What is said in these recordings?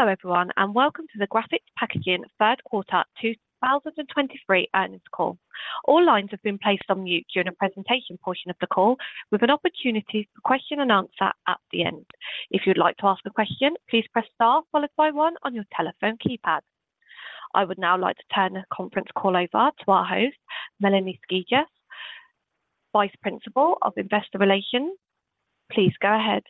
Hello, everyone, and welcome to the Graphic Packaging Third Quarter, 2023 earnings call. All lines have been placed on mute during the presentation portion of the call, with an opportunity for question and answer at the end. If you'd like to ask a question, please press star followed by one on your telephone keypad. I would now like to turn the conference call over to our host, Melanie Skijus, Vice President of Investor Relations. Please go ahead.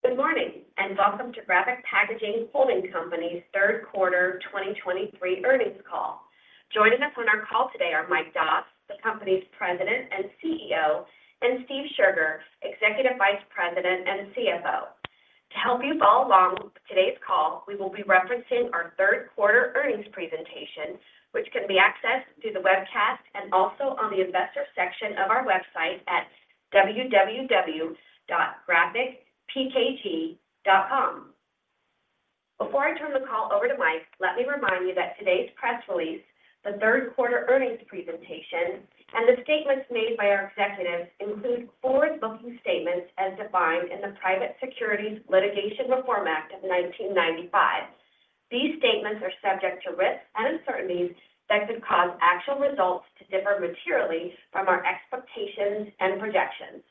Good morning, and welcome to Graphic Packaging Holding Company's Third Quarter 2023 earnings call. Joining us on our call today are Mike Doss, the company's President and CEO, and Steve Scherger, Executive Vice President and CFO. To help you follow along with today's call, we will be referencing our Third Quarter Earnings presentation, which can be accessed through the webcast and also on the investor section of our website at www.graphicpkg.com. Before I turn the call over to Mike, let me remind you that today's press release, the Third Quarter Earnings presentation, and the statements made by our executives include forward-looking statements as defined in the Private Securities Litigation Reform Act of 1995. These statements are subject to risks and uncertainties that could cause actual results to differ materially from our expectations and projections.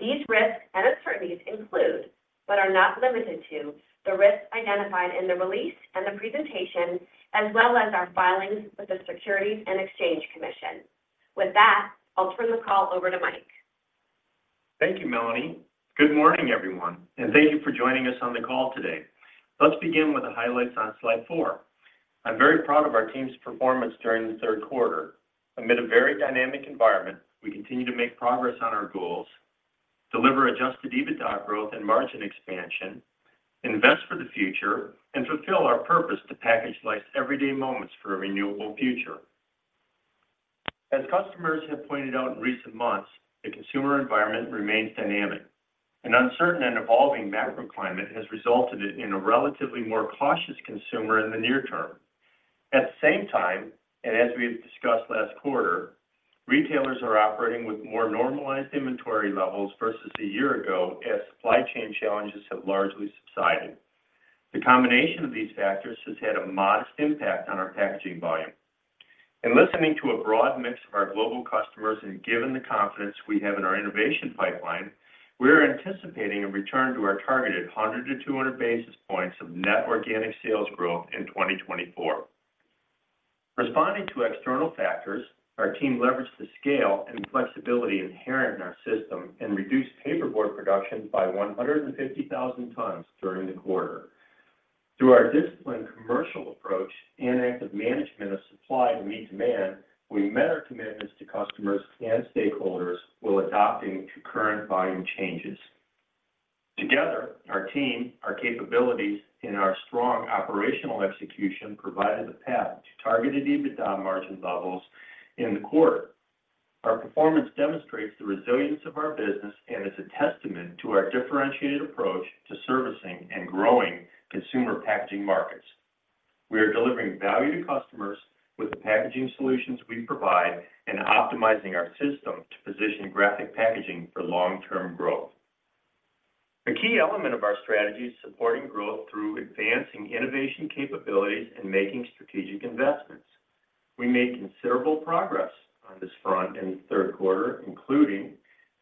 These risks and uncertainties include, but are not limited to, the risks identified in the release and the presentation, as well as our filings with the Securities and Exchange Commission. With that, I'll turn the call over to Mike. Thank you, Melanie. Good morning, everyone, and thank you for joining us on the call today. Let's begin with the highlights on slide four. I'm very proud of our team's performance during the third quarter. Amid a very dynamic environment, we continue to make progress on our goals, deliver Adjusted EBITDA growth and margin expansion, invest for the future, and fulfill our purpose to package life's everyday moments for a renewable future. As customers have pointed out in recent months, the consumer environment remains dynamic. An uncertain and evolving macro climate has resulted in a relatively more cautious consumer in the near term. At the same time, and as we have discussed last quarter, retailers are operating with more normalized inventory levels versus a year ago, as supply chain challenges have largely subsided. The combination of these factors has had a modest impact on our packaging volume. In listening to a broad mix of our global customers and given the confidence we have in our innovation pipeline, we are anticipating a return to our targeted 100 basis points-200 basis points of net organic sales growth in 2024. Responding to external factors, our team leveraged the scale and flexibility inherent in our system and reduced paperboard production by 150,000 tons during the quarter. Through our disciplined commercial approach and active management of supply to meet demand, we met our commitments to customers and stakeholders while adapting to current volume changes. Together, our team, our capabilities, and our strong operational execution provided a path to targeted EBITDA margin levels in the quarter. Our performance demonstrates the resilience of our business and is a testament to our differentiated approach to servicing and growing consumer packaging markets. We are delivering value to customers with the packaging solutions we provide and optimizing our system to position Graphic Packaging for long-term growth. A key element of our strategy is supporting growth through advancing innovation capabilities and making strategic investments. We made considerable progress on this front in the third quarter, including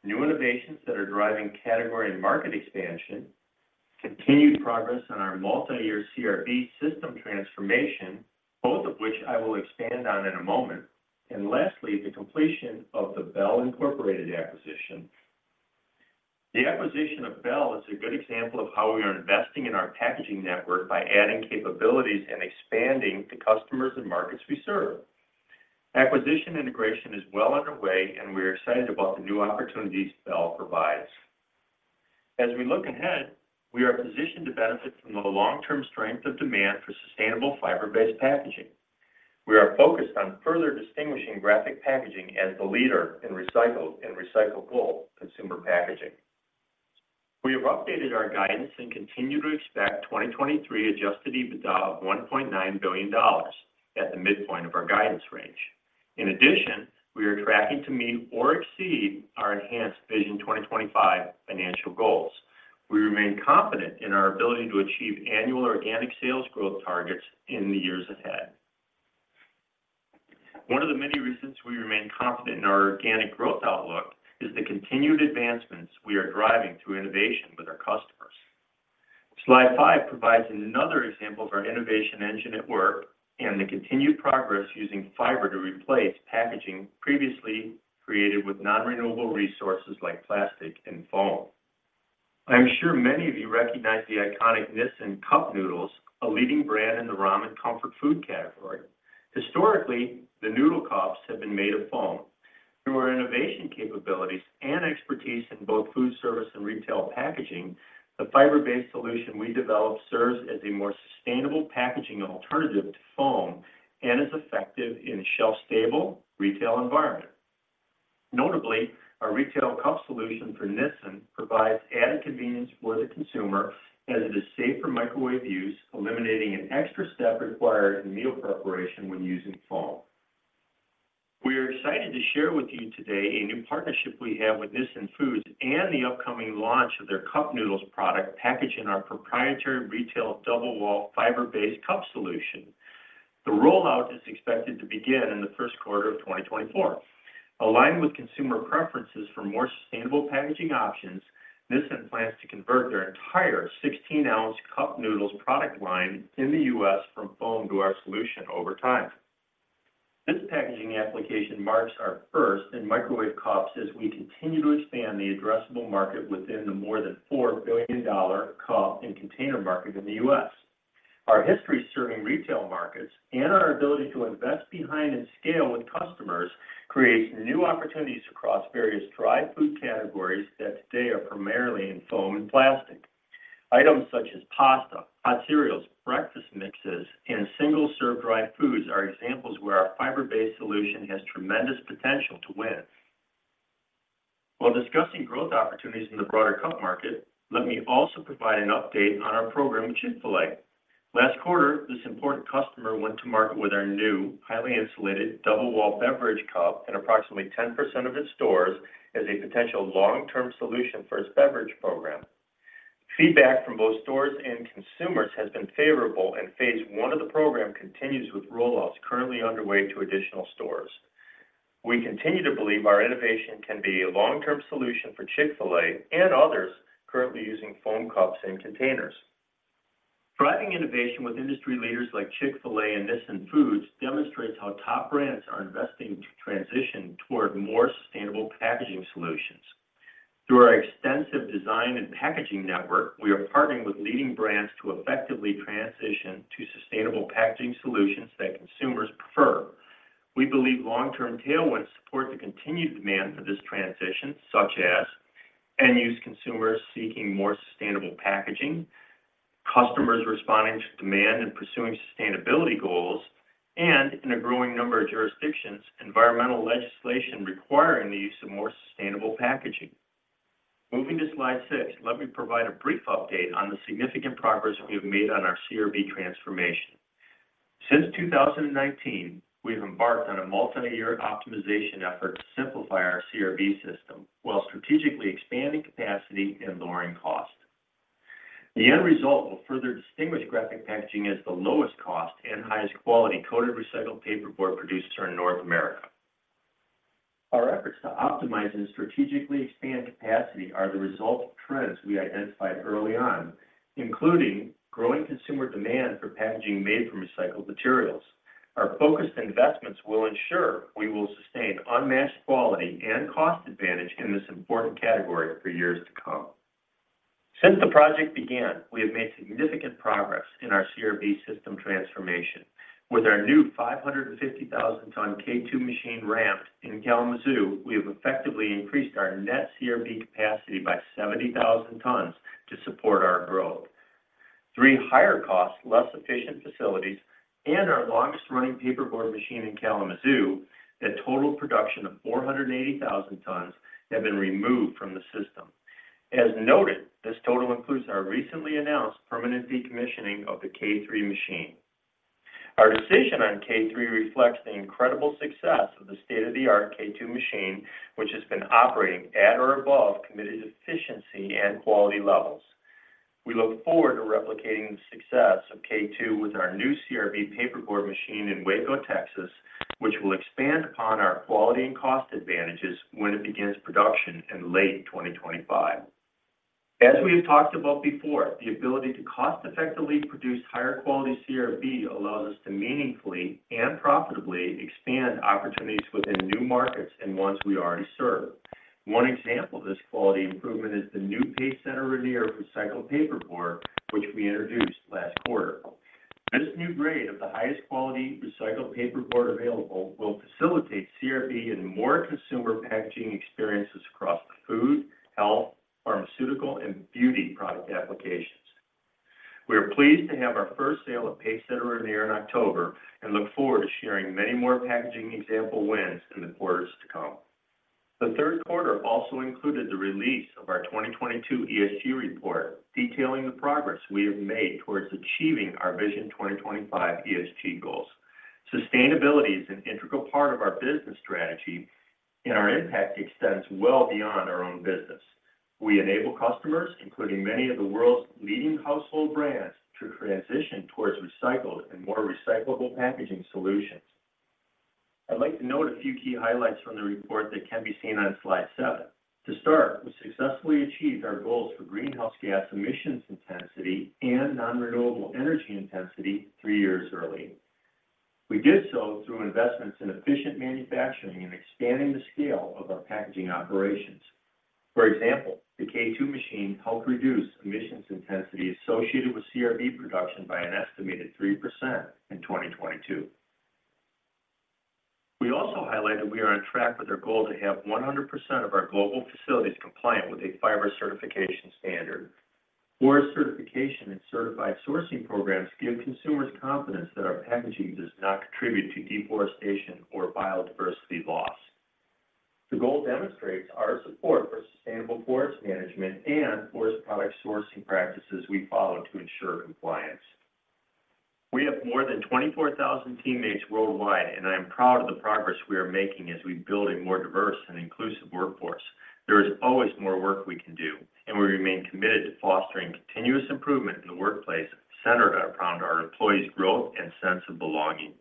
new innovations that are driving category and market expansion, continued progress on our multi-year CRB system transformation, both of which I will expand on in a moment, and lastly, the completion of the Bell Incorporated acquisition. The acquisition of Bell is a good example of how we are investing in our packaging network by adding capabilities and expanding the customers and markets we serve. Acquisition integration is well underway, and we are excited about the new opportunities Bell provides. As we look ahead, we are positioned to benefit from the long-term strength of demand for sustainable fiber-based packaging. We are focused on further distinguishing Graphic Packaging as the leader in recycled and recyclable consumer packaging. We have updated our guidance and continue to expect 2023 Adjusted EBITDA of $1.9 billion at the midpoint of our guidance range. In addition, we are tracking to meet or exceed our enhanced Vision 2025 financial goals. We remain confident in our ability to achieve annual organic sales growth targets in the years ahead. One of the many reasons we remain confident in our organic growth outlook is the continued advancements we are driving through innovation with our customers. Slide five provides another example of our innovation engine at work and the continued progress using fiber to replace packaging previously created with non-renewable resources like plastic and foam. I'm sure many of you recognize the iconic Nissin Cup Noodles, a leading brand in the ramen comfort food category. Historically, the noodle cups have been made of foam. Through our innovation capabilities and expertise in both food service and retail packaging, the fiber-based solution we developed serves as a more sustainable packaging alternative to foam and is effective in a shelf-stable retail environment. Notably, our retail cup solution for Nissin provides added convenience for the consumer, as it is safe for microwave use, eliminating an extra step required in meal preparation when using foam. We are excited to share with you today a new partnership we have with Nissin Foods and the upcoming launch of their Cup Noodles product, packaged in our proprietary retail double wall fiber-based cup solution. The rollout is expected to begin in the first quarter of 2024. Aligned with consumer preferences for more sustainable packaging options, Nissin plans to convert their entire 16oz Cup Noodles product line in the U.S. from foam to our solution over time. This packaging application marks our first in microwave cups as we continue to expand the addressable market within the more than $4 billion cup and container market in the U.S. Our history serving retail markets and our ability to invest behind and scale with customers, creates new opportunities across various dry food categories that today are primarily in foam and plastic. Items such as pasta, hot cereals, breakfast mixes, and single-serve dry foods are examples where our fiber-based solution has tremendous potential to win. While discussing growth opportunities in the broader cup market, let me also provide an update on our program with Chick-fil-A. Last quarter, this important customer went to market with our new highly insulated double wall beverage cup in approximately 10% of its stores as a potential long-term solution for its beverage program. Feedback from both stores and consumers has been favorable, and phase one of the program continues with rollouts currently underway to additional stores. We continue to believe our innovation can be a long-term solution for Chick-fil-A and others currently using foam cups and containers. Driving innovation with industry leaders like Chick-fil-A and Nissin Foods demonstrates how top brands are investing to transition toward more sustainable packaging solutions. Through our extensive design and packaging network, we are partnering with leading brands to effectively transition to sustainable packaging solutions that consumers prefer. We believe long-term tailwinds support the continued demand for this transition, such as end-use consumers seeking more sustainable packaging, customers responding to demand and pursuing sustainability goals, and in a growing number of jurisdictions, environmental legislation requiring the use of more sustainable packaging. Moving to slide six, let me provide a brief update on the significant progress we have made on our CRB transformation. Since 2019, we've embarked on a multi-year optimization effort to simplify our CRB system while strategically expanding capacity and lowering cost. The end result will further distinguish Graphic Packaging as the lowest cost and highest quality coated recycled paperboard producer in North America. Our efforts to optimize and strategically expand capacity are the result of trends we identified early on, including growing consumer demand for packaging made from recycled materials. Our focused investments will ensure we will sustain unmatched quality and cost advantage in this important category for years to come. Since the project began, we have made significant progress in our CRB system transformation. With our new 550,000-ton K2 machine ramped in Kalamazoo, we have effectively increased our net CRB capacity by 70,000 tons to support our growth. Three higher cost, less efficient facilities, and our longest-running paperboard machine in Kalamazoo, that total production of 480,000 tons, have been removed from the system. As noted, this total includes our recently announced permanent decommissioning of the K3 machine. Our decision on K3 reflects the incredible success of the state-of-the-art K2 machine, which has been operating at or above committed efficiency and quality levels. We look forward to replicating the success of K2 with our new CRB paperboard machine in Waco, Texas, which will expand upon our quality and cost advantages when it begins production in late 2025. As we have talked about before, the ability to cost-effectively produce higher quality CRB allows us to meaningfully and profitably expand opportunities within new markets and ones we already serve. One example of this quality improvement is the new PaceSetter Rainier recycled paperboard, which we introduced last quarter. This new grade of the highest quality recycled paperboard available will facilitate CRB in more consumer packaging experiences across food, health, pharmaceutical, and beauty product applications. We are pleased to have our first sale of PaceSetter Rainier in October and look forward to sharing many more packaging example wins in the quarters to come. The third quarter also included the release of our 2022 ESG report, detailing the progress we have made towards achieving our Vision 2025 ESG goals. Sustainability is an integral part of our business strategy, and our impact extends well beyond our own business. We enable customers, including many of the world's leading household brands, to transition towards recycled and more recyclable packaging solutions. I'd like to note a few key highlights from the report that can be seen on slide seven. To start, we successfully achieved our goals for greenhouse gas emissions intensity and non-renewable energy intensity three years early. We did so through investments in efficient manufacturing and expanding the scale of our packaging operations. For example, the K2 machine helped reduce emissions intensity associated with CRB production by an estimated 3% in 2022. We also highlighted we are on track with our goal to have 100% of our global facilities compliant with a fiber certification standard, where certification and certified sourcing programs give consumers confidence that our packaging does not contribute to deforestation or biodiversity loss. The goal demonstrates our support for sustainable forest management and forest product sourcing practices we follow to ensure compliance. We have more than 24,000 teammates worldwide, and I am proud of the progress we are making as we build a more diverse and inclusive workforce. There is always more work we can do, and we remain committed to fostering continuous improvement in the workplace, centered around our employees' growth and sense of belonging.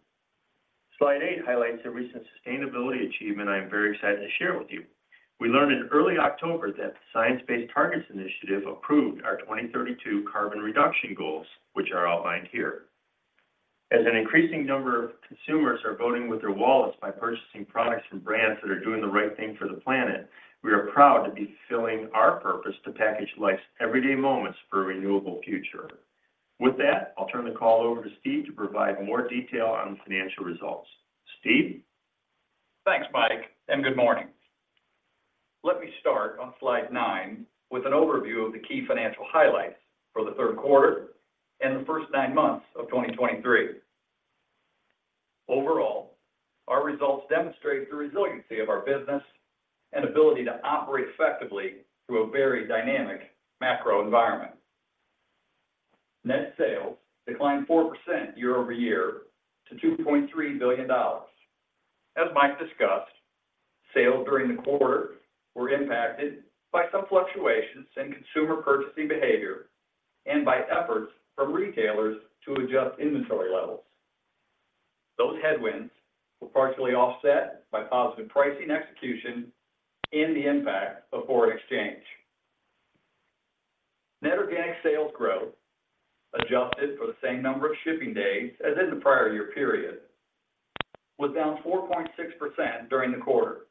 Slide eight highlights a recent sustainability achievement I am very excited to share with you. We learned in early October that the Science Based Targets initiative approved our 2032 carbon reduction goals, which are outlined here. As an increasing number of consumers are voting with their wallets by purchasing products from brands that are doing the right thing for the planet, we are proud to be fulfilling our purpose to package life's everyday moments for a renewable future. With that, I'll turn the call over to Steve to provide more detail on the financial results. Steve? Thanks, Mike, and good morning. Let me start on slide nine with an overview of the key financial highlights for the third quarter and the first nine months of 2023. Overall, our results demonstrate the resiliency of our business and ability to operate effectively through a very dynamic macro environment. Net sales declined 4% year-over-year to $2.3 billion. As Mike discussed, sales during the quarter were impacted by some fluctuations in consumer purchasing behavior and by efforts from retailers to adjust inventory levels. Those headwinds were partially offset by positive pricing execution and the impact of foreign exchange. Net organic sales growth, adjusted for the same number of shipping days as in the prior year period, was down 4.6% during the quarter.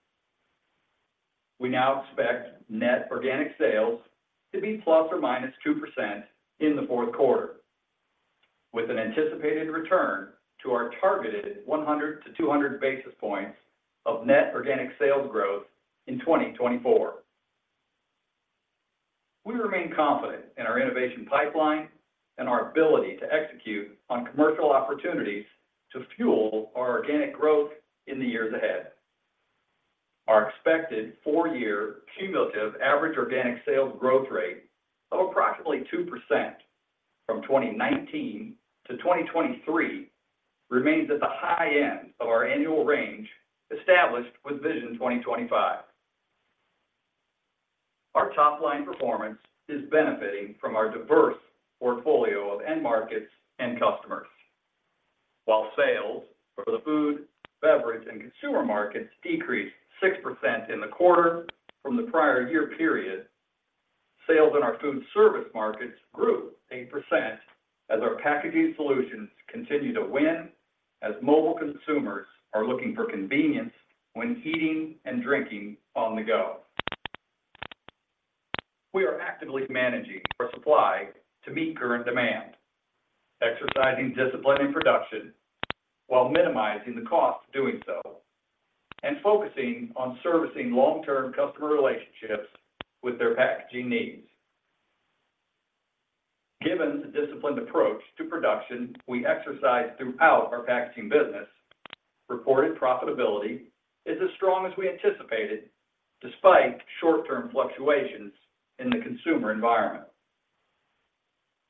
We now expect net organic sales to be ±2% in the fourth quarter, with an anticipated return to our targeted 100 basis points-200 basis points of net organic sales growth in 2024. We remain confident in our innovation pipeline and our ability to execute on commercial opportunities to fuel our organic growth in the years ahead. Our expected four-year cumulative average organic sales growth rate of approximately 2% from 2019 to 2023 remains at the high end of our annual range established with Vision 2025. Our top-line performance is benefiting from our diverse portfolio of end markets and customers. While sales for the food, beverage, and consumer markets decreased 6% in the quarter from the prior year period, sales in our food service markets grew 8% as our packaging solutions continue to win, as mobile consumers are looking for convenience when eating and drinking on the go. We are actively managing our supply to meet current demand, exercising discipline in production while minimizing the cost of doing so, and focusing on servicing long-term customer relationships with their packaging needs. Given the disciplined approach to production we exercise throughout our packaging business, reported profitability is as strong as we anticipated, despite short-term fluctuations in the consumer environment.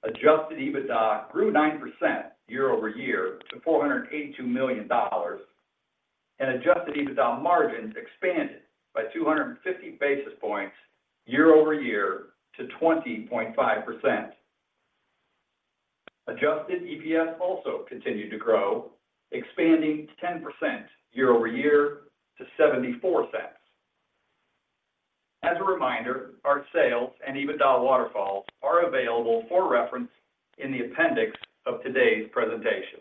Adjusted EBITDA grew 9% year-over-year to $482 million, and Adjusted EBITDA margins expanded by 250 basis points year-over-year to 20.5%. Adjusted EPS also continued to grow, expanding 10% year-over-year to $0.74. As a reminder, our sales and EBITDA waterfalls are available for reference in the appendix of today's presentation.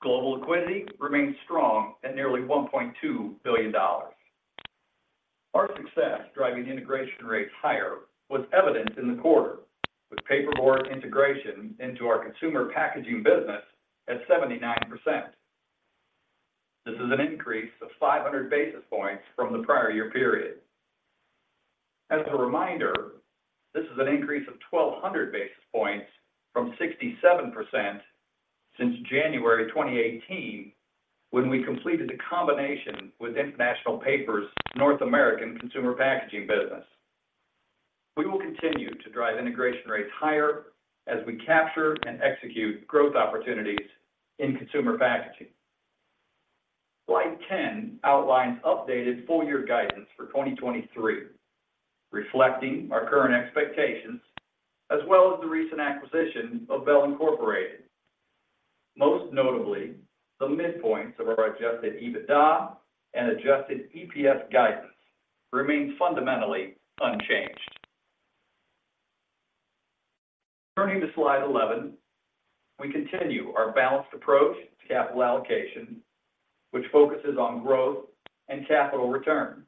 Global liquidity remains strong at nearly $1.2 billion. Our success driving integration rates higher was evident in the quarter, with paperboard integration into our consumer packaging business at 79%. This is an increase of 500 basis points from the prior year period. As a reminder, this is an increase of 1,200 basis points from 67% since January 2018, when we completed a combination with International Paper's North American consumer packaging business. We will continue to drive integration rates higher as we capture and execute growth opportunities in consumer packaging. Slide 10 outlines updated full-year guidance for 2023, reflecting our current expectations, as well as the recent acquisition of Bell Incorporated. Most notably, the midpoints of our Adjusted EBITDA and Adjusted EPS guidance remain fundamentally unchanged. Turning to slide 11, we continue our balanced approach to capital allocation, which focuses on growth and capital return.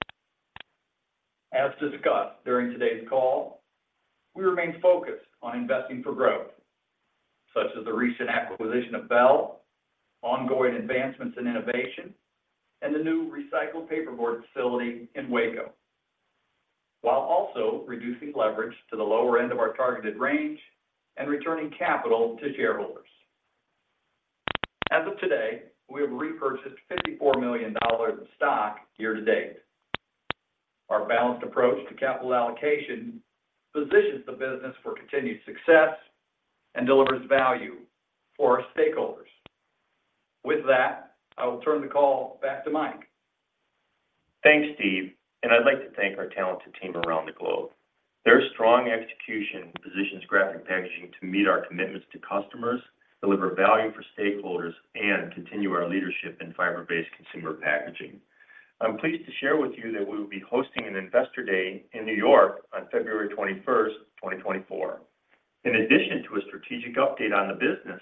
As discussed during today's call, we remain focused on investing for growth, such as the recent acquisition of Bell, ongoing advancements in innovation, and the new recycled paperboard facility in Waco.... while also reducing leverage to the lower end of our targeted range and returning capital to shareholders. As of today, we have repurchased $54 million of stock year-to-date. Our balanced approach to capital allocation positions the business for continued success and delivers value for our stakeholders. With that, I will turn the call back to Mike. Thanks, Steve, and I'd like to thank our talented team around the globe. Their strong execution positions Graphic Packaging to meet our commitments to customers, deliver value for stakeholders, and continue our leadership in fiber-based consumer packaging. I'm pleased to share with you that we will be hosting an Investor Day in New York on February 21, 2024. In addition to a strategic update on the business,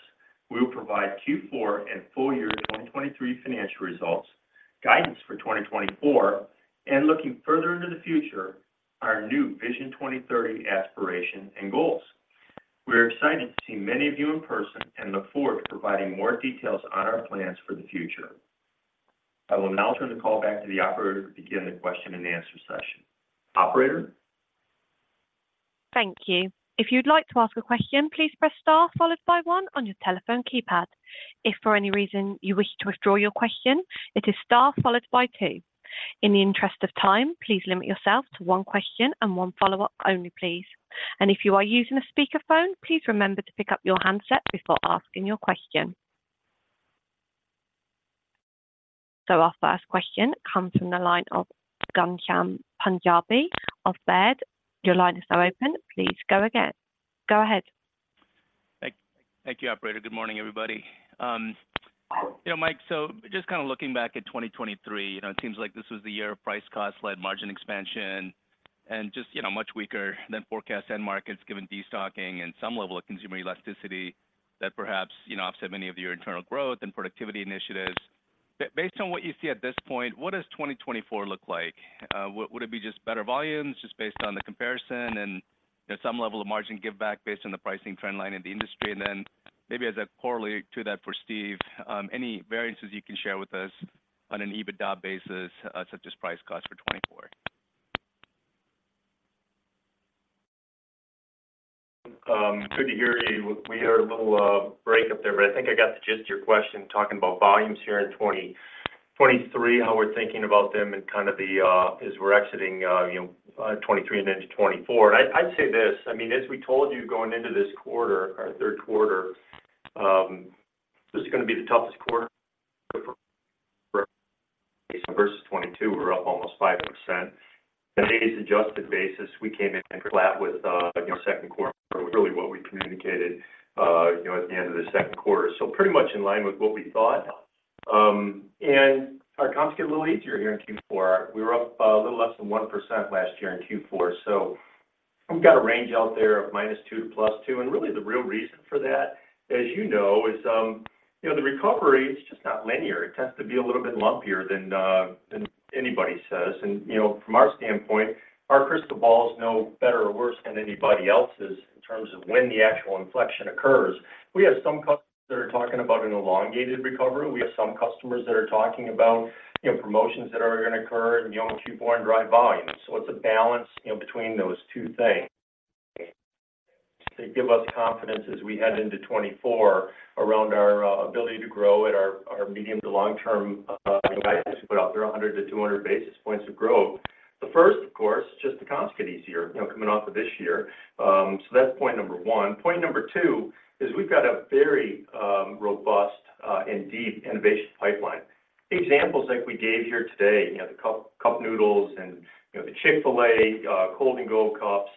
we will provide Q4 and full year 2023 financial results, guidance for 2024, and looking further into the future, our new Vision 2030 aspiration and goals. We are excited to see many of you in person and look forward to providing more details on our plans for the future. I will now turn the call back to the operator to begin the question and answer session. Operator? Thank you. If you'd like to ask a question, please press star followed by one on your telephone keypad. If for any reason you wish to withdraw your question, it is star followed by two. In the interest of time, please limit yourself to one question and one follow-up only, please. And if you are using a speakerphone, please remember to pick up your handset before asking your question. So our first question comes from the line of Ghansham Panjabi of Baird. Your line is now open. Please go again. Go ahead. Thank you, operator. Good morning, everybody. You know, Mike, so just kind of looking back at 2023, you know, it seems like this was the year of price cost-led margin expansion and just, you know, much weaker than forecast end markets, given destocking and some level of consumer elasticity that perhaps, you know, offset many of your internal growth and productivity initiatives. Based on what you see at this point, what does 2024 look like? Would it be just better volumes just based on the comparison and, you know, some level of margin give back based on the pricing trend line in the industry? And then maybe as a follow-up to that for Steve, any variances you can share with us on an EBITDA basis, such as price cost for 2024? Good to hear you. We heard a little break up there, but I think I got the gist of your question, talking about volumes here in 2023, how we're thinking about them and kind of the as we're exiting, you know, 2023 and into 2024. And I'd, I'd say this, I mean, as we told you, going into this quarter, our third quarter, this is going to be the toughest quarter versus 2022, we're up almost 5%. On an adjusted basis, we came in flat with, you know, second quarter, really what we communicated, you know, at the end of the second quarter. So pretty much in line with what we thought. And our comps get a little easier here in Q4. We were up a little less than 1% last year in Q4, so we've got a range out there of -2% to +2%. And really, the real reason for that, as you know, is, you know, the recovery is just not linear. It tends to be a little bit lumpier than anybody says. And, you got from our standpoint, our crystal ball is no better or worse than anybody else's in terms of when the actual inflection occurs. We have some customers that are talking about an elongated recovery. We have some customers that are talking about, you know, promotions that are going to occur in the Q4 and drive volumes. So it's a balance, you know, between those two things. They give us confidence as we head into 2024 around our ability to grow at our, our medium to long-term guidance to put out there, 100 basis points-200 basis points of growth. The first, of course, just the comps get easier, you know, coming off of this year. So that's point number one. Point number two is we've got a very, robust, and deep innovation pipeline. Examples like we gave here today, you know, the Cup Noodles and, you know, the Chick-fil-A, Cold&Go cups,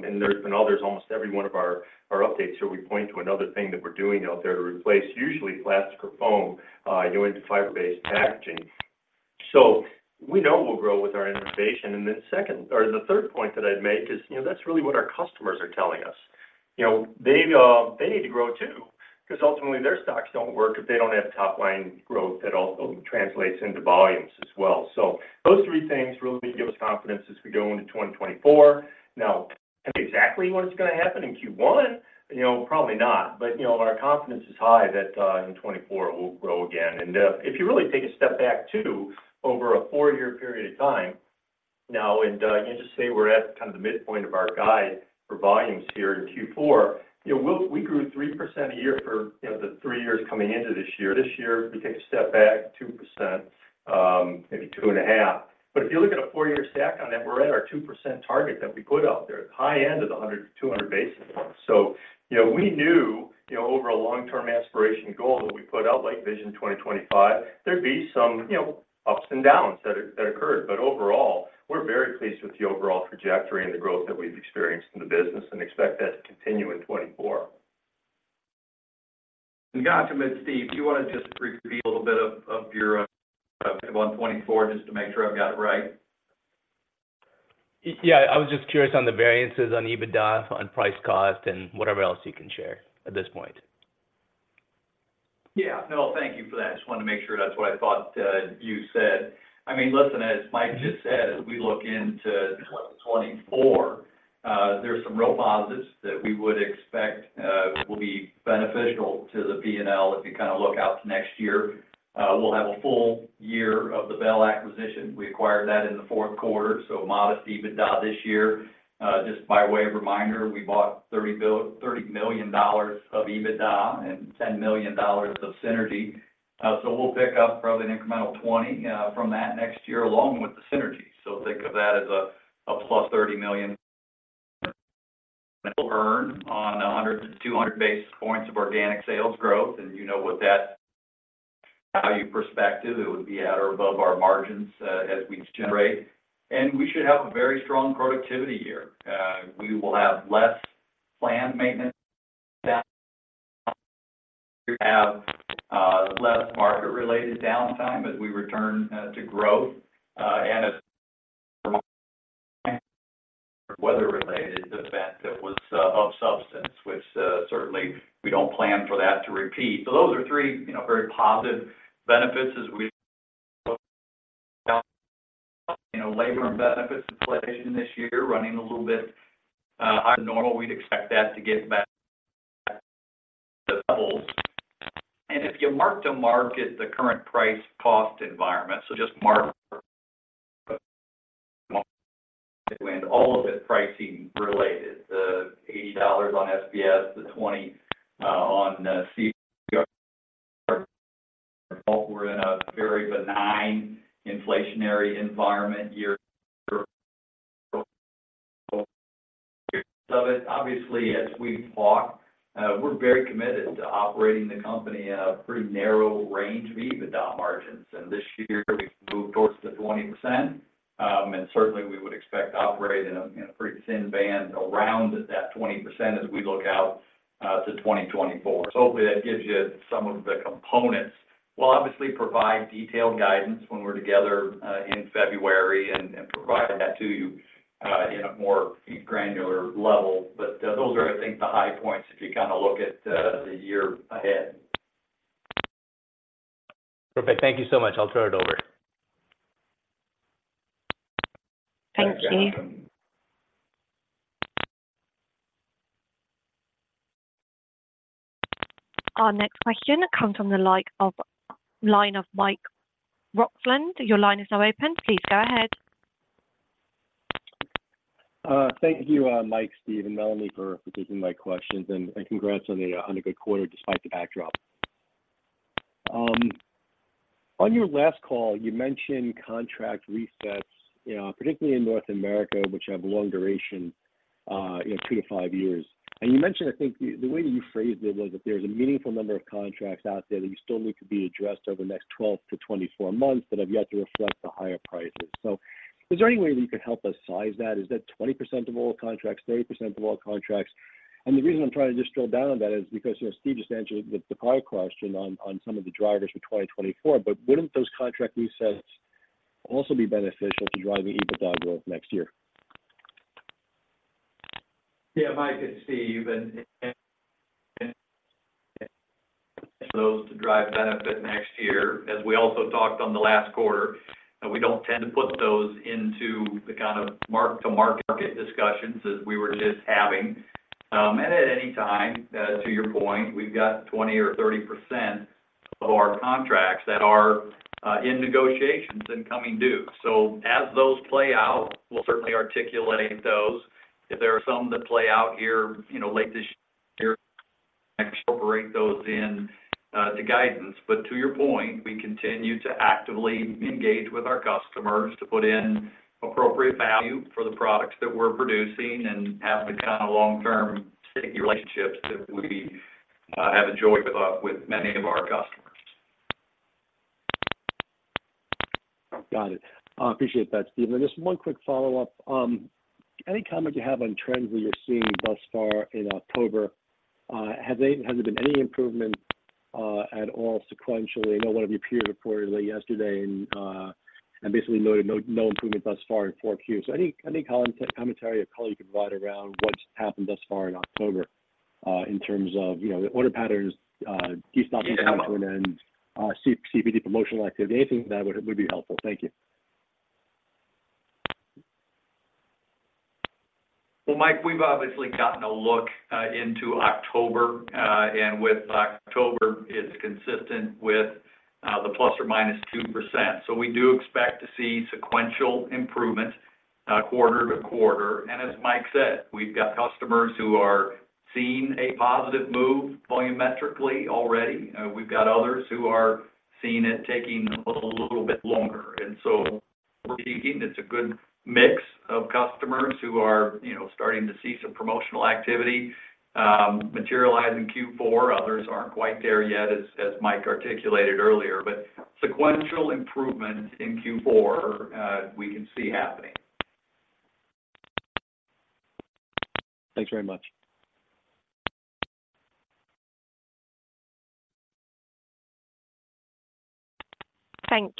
and there's been others. Almost every one of our, our updates here, we point to another thing that we're doing out there to replace, usually plastic or foam, you know, into fiber-based packaging. So we know we'll grow with our innovation. Then second, or the third point that I'd make is, you know, that's really what our customers are telling us. You know, they, they need to grow too, because ultimately their stocks don't work if they don't have top line growth, that also translates into volumes as well. So those three things really give us confidence as we go into 2024. Now, exactly what is going to happen in Q1? You know, probably not, but, you know, our confidence is high that, in 2024, it will grow again. And, if you really take a step back, too, over a four-year period of time now, and, you just say we're at kind of the midpoint of our guide for volumes here in Q4, you know, we grew 3% a year for, you know, the three years coming into this year. This year, if you take a step back, 2%, maybe 2.5%. But if you look at a four-year stack on that, we're at our 2% target that we put out there at the high end of the 100 basis-200 basis. So you know, we knew, you know, over a long-term aspiration goal that we put out, like Vision 2025, there'd be some, you know, ups and downs that, that occurred. But overall, we're very pleased with the overall trajectory and the growth that we've experienced in the business and expect that to continue in 2024. And got to it, Steve, do you want to just briefly a little bit of, of your, on 2024, just to make sure I've got it right? Yeah, I was just curious on the variances on EBITDA, on price cost, and whatever else you can share at this point. Yeah. No, thank you for that. I just wanted to make sure that's what I thought, you said. I mean, listen, as Mike just said, as we look into 2024-... There's some real positives that we would expect will be beneficial to the P&L if you kind of look out to next year. We'll have a full year of the Bell acquisition. We acquired that in the fourth quarter, so modest EBITDA this year. Just by way of reminder, we bought $30 million of EBITDA and $10 million of synergy. So we'll pick up probably an incremental $20 from that next year, along with the synergy. So think of that as a +$30 million run on 100 basis points-200 basis points of organic sales growth, and you know from that value perspective, it would be at or above our margins as we generate. And we should have a very strong productivity year. We will have less planned maintenance down. We have less market-related downtime as we return to growth, and a weather-related event that was of substance, which certainly we don't plan for that to repeat. So those are three, you know, very positive benefits as we, you know, labor and benefits inflation this year, running a little bit higher than normal. We'd expect that to get back to levels. And if you mark to market the current price cost environment, so just mark when all of it pricing related, the $80 on SBS, the 20 on [CRB and CUK], we're in a very benign inflationary environment year. So obviously, as we've talked, we're very committed to operating the company in a pretty narrow range of EBITDA margins. This year, we've moved towards the 20%, and certainly we would expect to operate in a pretty thin band around that 20% as we look out to 2024. So hopefully, that gives you some of the components. We'll obviously provide detailed guidance when we're together in February and provide that to you in a more granular level. But those are, I think, the high points if you kinda look at the year ahead. Perfect. Thank you so much. I'll turn it over. Thank you. Our next question comes from the line of Mike Roxland. Your line is now open. Please go ahead. Thank you, Mike, Steve, and Melanie, for taking my questions, and congrats on a good quarter despite the backdrop. On your last call, you mentioned contract resets, you know, particularly in North America, which have long duration, you know, 2 years-5 years. You mentioned, I think the way that you phrased it was that there's a meaningful number of contracts out there that you still need to be addressed over the next 12 months-24 months that have yet to reflect the higher prices. So is there any way that you could help us size that? Is that 20% of all contracts, 30% of all contracts? The reason I'm trying to just drill down on that is because, you know, Steve just answered the prior question on some of the drivers for 2024, but wouldn't those contract resets also be beneficial to driving EBITDA growth next year? Yeah, Mike, it's Steve, and those to drive benefit next year. As we also talked on the last quarter, we don't tend to put those into the kind of mark-to-market discussions as we were just having. And at any time, to your point, we've got 20% or 30% of our contracts that are in negotiations and coming due. So as those play out, we'll certainly articulate those. If there are some that play out here, you know, late this year, incorporate those in to guidance. But to your point, we continue to actively engage with our customers to put in appropriate value for the products that we're producing and have the kind of long-term, sticky relationships that we have enjoyed with many of our customers. Got it. I appreciate that, Steve. Just one quick follow-up. Any comment you have on trends that you're seeing thus far in October, has there been any improvement at all sequentially? I know one of you appeared reportedly yesterday and basically noted no improvement thus far in 4Q. So any comment, commentary or color you could provide around what's happened thus far in October, in terms of, you know, the order patterns, stopping to an end, CPG promotional activity, anything that would be helpful. Thank you. Well, Mike, we've obviously gotten a look into October, and with October, it's consistent with the ±2%. So we do expect to see sequential improvement quarter-to-quarter. And as Mike said, we've got customers who are seeing a positive move volumetrically already. We've got others who are seeing it taking a little bit longer. And so we're seeing it's a good mix of customers who are, you know, starting to see some promotional activity materialize in Q4. Others aren't quite there yet, as Mike articulated earlier, but sequential improvement in Q4 we can see happening. Thanks very much. Thank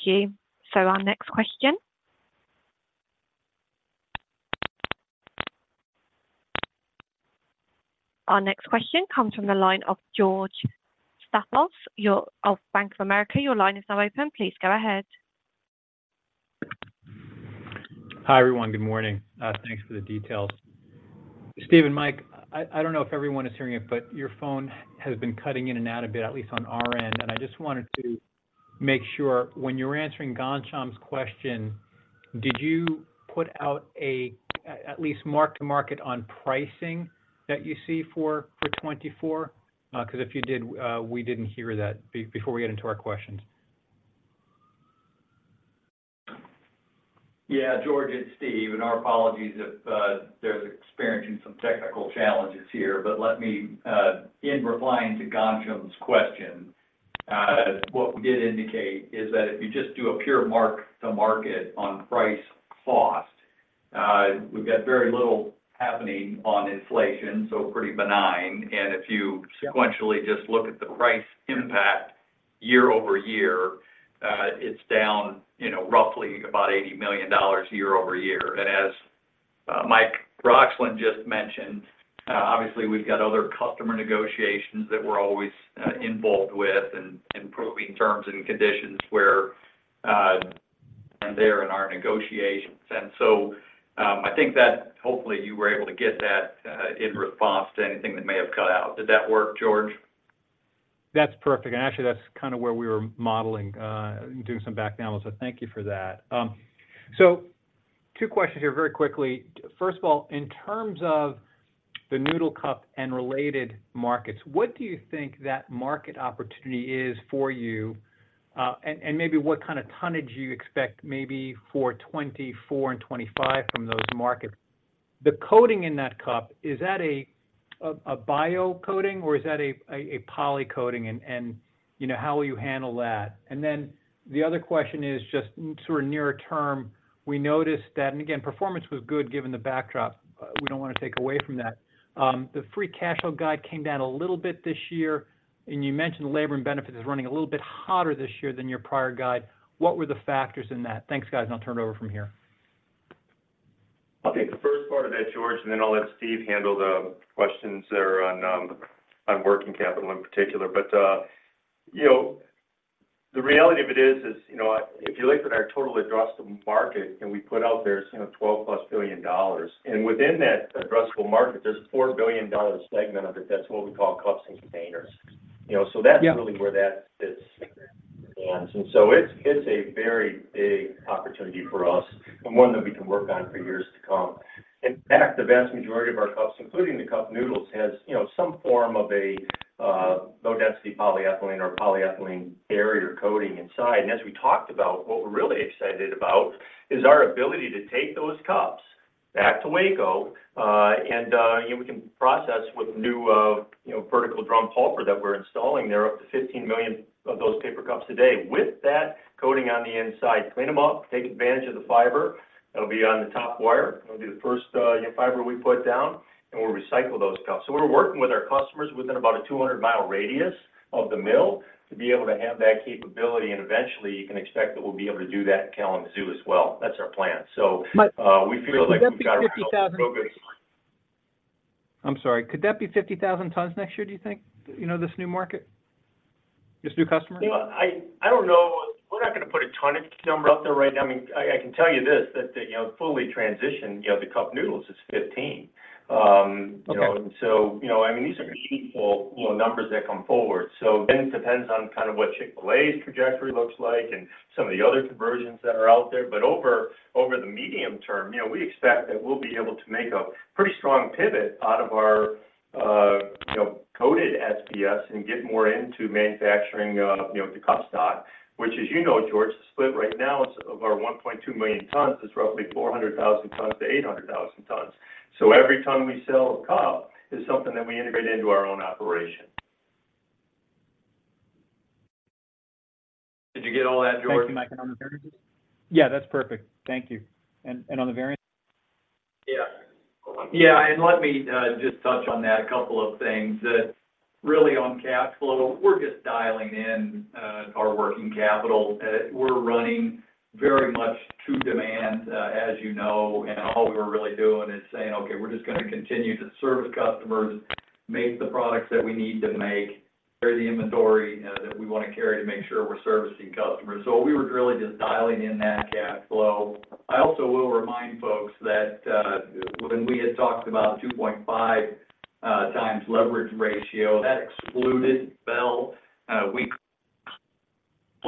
you. Our next question comes from the line of George Staphos of Bank of America. Your line is now open. Please go ahead. Hi, everyone. Good morning. Thanks for the details. Steve and Mike, I don't know if everyone is hearing it, but your phone has been cutting in and out a bit, at least on our end. And I just wanted to make sure, when you were answering Ghansham's question, did you put out at least mark-to-market on pricing that you see for 2024? Because if you did, we didn't hear that before we get into our questions. Yeah, George, it's Steve, and our apologies if you're experiencing some technical challenges here. But let me in replying to Ghansham's question, what we did indicate is that if you just do a pure mark-to-market on price cost, we've got very little happening on inflation, so pretty benign. And if you sequentially just look at the price impact year-over-year, it's down, you know, roughly about $80 million year-over-year. And as Mike Roxland just mentioned, obviously, we've got other customer negotiations that we're always involved with and improving terms and conditions where -- and there in our negotiations. And so, I think that hopefully you were able to get that in response to anything that may have cut out. Did that work, George? That's perfect. Actually, that's kind of where we were modeling, doing some background. So thank you for that. So two questions here very quickly. First of all, in terms of the noodle cup and related markets, what do you think that market opportunity is for you? And maybe what kind of tonnage do you expect maybe for 2024 and 2025 from those markets? The coating in that cup, is that a bio coating, or is that a poly coating? And, you know, how will you handle that? And then the other question is just sort of nearer term. We noticed that, and again, performance was good given the backdrop. We don't want to take away from that. The free cash flow guide came down a little bit this year, and you mentioned labor and benefit is running a little bit hotter this year than your prior guide. What were the factors in that? Thanks, guys. I'll turn it over from here. I'll take the first part of that, George, and then I'll let Steve handle the questions that are on working capital in particular. But you know, the reality of it is, you know, if you look at our total addressable market, and we put out there, you know, $12+ billion. And within that addressable market, there's a $4 billion segment of it. That's what we call cups and containers. You know, so that's- Yeah So it's a very big opportunity for us and one that we can work on for years to come. In fact, the vast majority of our cups, including the Cup Noodles, has, you know, some form of a low density polyethylene or polyethylene barrier coating inside. And as we talked about, what we're really excited about is our ability to take those cups back to Waco, and, you know, we can process with new vertical drum pulper that we're installing there, up to 15 million of those paper cups today. With that coating on the inside, clean them up, take advantage of the fiber. That'll be on the top wire. It'll be the first fiber we put down, and we'll recycle those cups. So we're working with our customers within about a 200-mile radius of the mill to be able to have that capability, and eventually, you can expect that we'll be able to do that in Kalamazoo as well. That's our plan. But- I'm sorry, could that be 50,000 tons next year, do you think? You know, this new market, this new customer? You know, I don't know. We're not going to put a tonnage number out there right now. I mean, I can tell you this, that, you know, fully transition, you know, the Cup Noodles is 15. Okay. You know, and so, you know, I mean, these are meaningful, you know, numbers that come forward. So again, it depends on kind of what Chick-fil-A's trajectory looks like and some of the other conversions that are out there. But over the medium term, you know, we expect that we'll be able to make a pretty strong pivot out of our, you know, coated SBS and get more into manufacturing, you know, the cup stock, which as you know, George, the split right now is of our 1.2 million tons, is roughly 400,000 tons-800,000 tons. So every ton we sell a cup is something that we integrate into our own operation. Did you get all that, George? Thank you, Mike. And on the variances? Yeah, that's perfect. Thank you. And, and on the variance? Yeah. Yeah, and let me just touch on that, a couple of things. That really on cash flow, we're just dialing in our working capital. We're running very much to demand, as you know, and all we're really doing is saying, "Okay, we're just gonna continue to service customers, make the products that we need to make, carry the inventory that we want to carry to make sure we're servicing customers." So we were really just dialing in that cash flow. I also will remind folks that, when we had talked about 2.5x leverage ratio, that excluded Bell. We,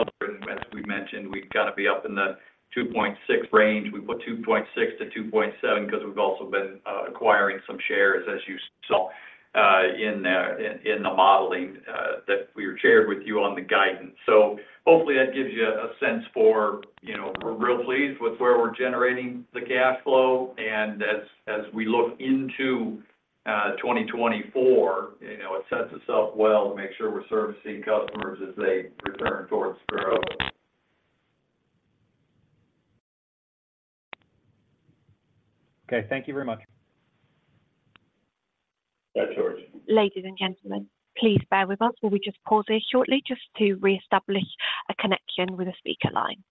as we mentioned, we've got to be up in the 2.6 range. We put 2.6-2.7 because we've also been acquiring some shares, as you saw, in the modeling that we shared with you on the guidance. So hopefully, that gives you a sense for, you know, we're real pleased with where we're generating the cash flow. And as we look into 2024, you know, it sets us up well to make sure we're servicing customers as they return towards growth. Okay, thank you very much. Yeah, George. Ladies and gentlemen, please bear with us while we just pause there shortly just to reestablish a connection with the speaker line.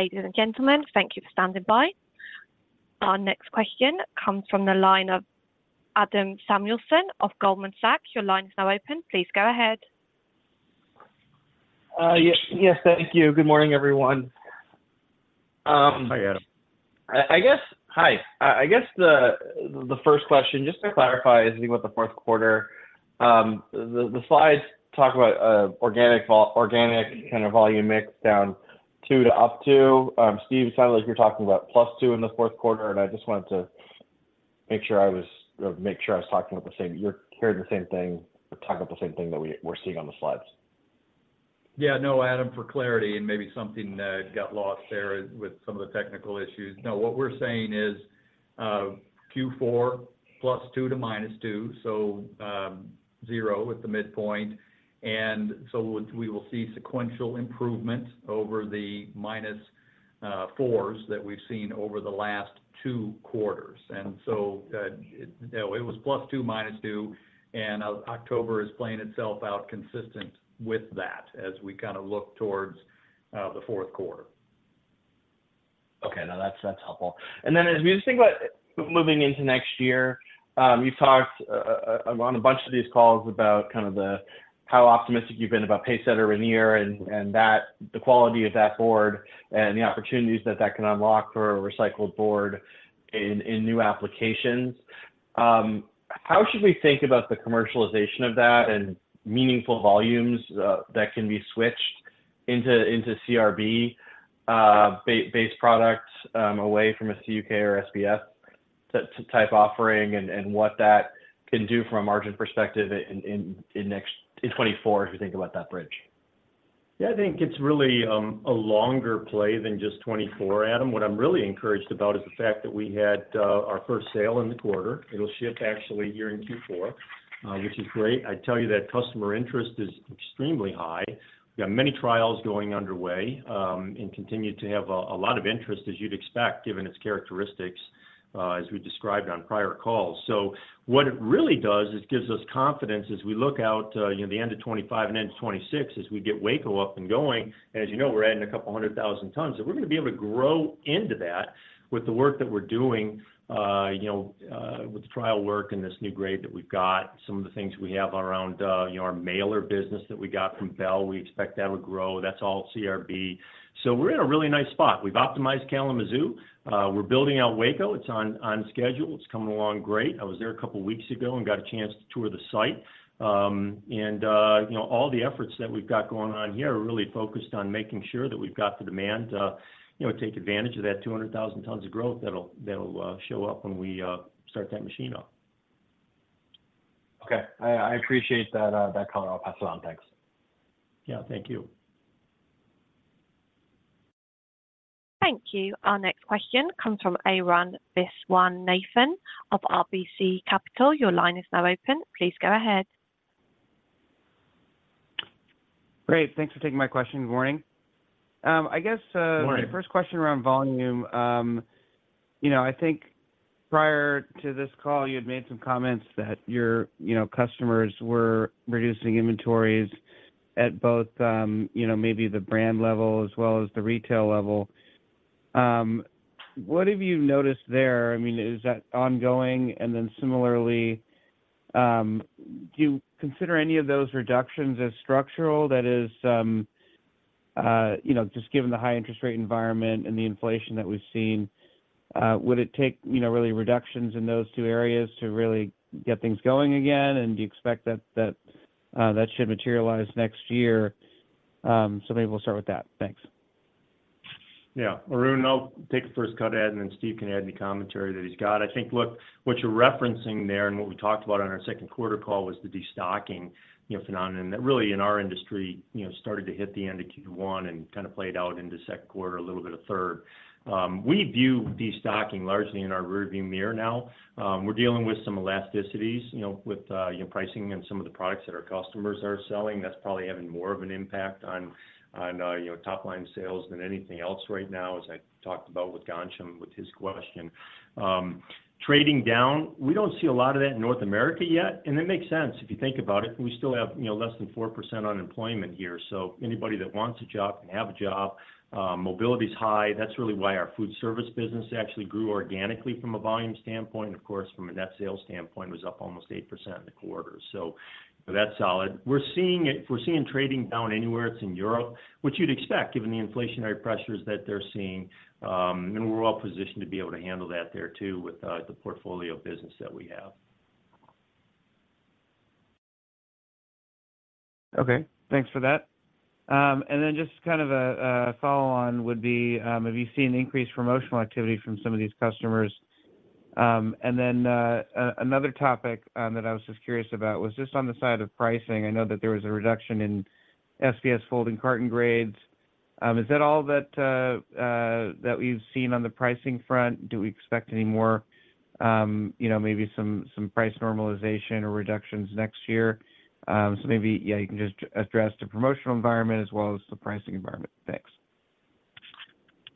Ladies and gentlemen, thank you for standing by. Our next question comes from the line of Adam Samuelson of Goldman Sachs. Your line is now open. Please go ahead. Yes. Yes, thank you. Good morning, everyone. Hi, Adam. I guess—Hi. I guess the first question, just to clarify, is about the fourth quarter. The slides talk about organic—organic kind of volume mix down 2 to up 2. Steve, it sounded like you were talking about +2 in the fourth quarter, and I just wanted to make sure I was talking about the same, you're hearing the same thing, or talking about the same thing that we're seeing on the slides. Yeah. No, Adam, for clarity, and maybe something got lost there with some of the technical issues. No, what we're saying is Q4 +2 to -2, so 0 at the midpoint. And so what we will see sequential improvement over the -4s that we've seen over the last two quarters. And so it no, it was +2, -2, and October is playing itself out consistent with that as we kind of look towards the fourth quarter. Okay. No, that's, that's helpful. Then as we think about moving into next year, you've talked on a bunch of these calls about kind of the how optimistic you've been about PaceSetter in a year and that the quality of that board and the opportunities that that can unlock for a recycled board in new applications. How should we think about the commercialization of that and meaningful volumes that can be switched into CRB-based products away from a CUK or SBS-type offering, and what that can do from a margin perspective in 2024, as we think about that bridge? Yeah, I think it's really a longer play than just 2024, Adam. What I'm really encouraged about is the fact that we had our first sale in the quarter. It'll ship actually here in Q4, which is great. I'd tell you that customer interest is extremely high. We've got many trials going underway, and continue to have a lot of interest, as you'd expect, given its characteristics, as we described on prior calls. So what it really does is gives us confidence as we look out, you know, the end of 2025 and into 2026, as we get Waco up and going. And as you know, we're adding a couple hundred thousand tons, so we're gonna be able to grow into that with the work that we're doing, you know, with the trial work and this new grade that we've got. Some of the things we have around, you know, our mailer business that we got from Bell, we expect that would grow. That's all CRB. So we're in a really nice spot. We've optimized Kalamazoo. We're building out Waco. It's on schedule. It's coming along great. I was there a couple of weeks ago and got a chance to tour the site. You know, all the efforts that we've got going on here are really focused on making sure that we've got the demand, you know, take advantage of that 200,000 tons of growth that'll show up when we start that machine off. Okay. I appreciate that comment. I'll pass it on. Thanks. Yeah. Thank you. Thank you. Our next question comes from Arun Viswanathan of RBC Capital. Your line is now open. Please go ahead. Great. Thanks for taking my question. Good morning. I guess, Good morning. My first question around volume. You know, I think prior to this call, you had made some comments that your, you know, customers were reducing inventories at both, you know, maybe the brand level as well as the retail level. What have you noticed there? I mean, is that ongoing? And then similarly, do you consider any of those reductions as structural? That is, you know, just given the high interest rate environment and the inflation that we've seen, would it take, you know, really reductions in those two areas to really get things going again? And do you expect that, that, that should materialize next year? So maybe we'll start with that. Thanks. Yeah. Arun, I'll take the first cut at it, and then Steve can add any commentary that he's got. I think, look, what you're referencing there and what we talked about on our second quarter call was the destocking, you know, phenomenon, that really in our industry, you know, started to hit the end of Q1 and kind of played out into second quarter, a little bit of third. We view destocking largely in our rearview mirror now. We're dealing with some elasticities, you know, with, you know, pricing and some of the products that our customers are selling. That's probably having more of an impact on, on, you know, top-line sales than anything else right now, as I talked about with Ghansham, with his question. Trading down, we don't see a lot of that in North America yet, and it makes sense if you think about it. We still have, you know, less than 4% unemployment here, so anybody that wants a job can have a job. Mobility is high. That's really why our food service business actually grew organically from a volume standpoint, and of course, from a net sales standpoint, was up almost 8% in the quarter. So that's solid. If we're seeing trading down anywhere, it's in Europe, which you'd expect, given the inflationary pressures that they're seeing. And we're well positioned to be able to handle that there, too, with the portfolio business that we have.... Okay, thanks for that. And then just kind of a follow on would be, have you seen increased promotional activity from some of these customers? And then another topic that I was just curious about was just on the side of pricing. I know that there was a reduction in SBS folding carton grades. Is that all that we've seen on the pricing front? Do we expect any more, you know, maybe some price normalization or reductions next year? So maybe, yeah, you can just address the promotional environment as well as the pricing environment. Thanks.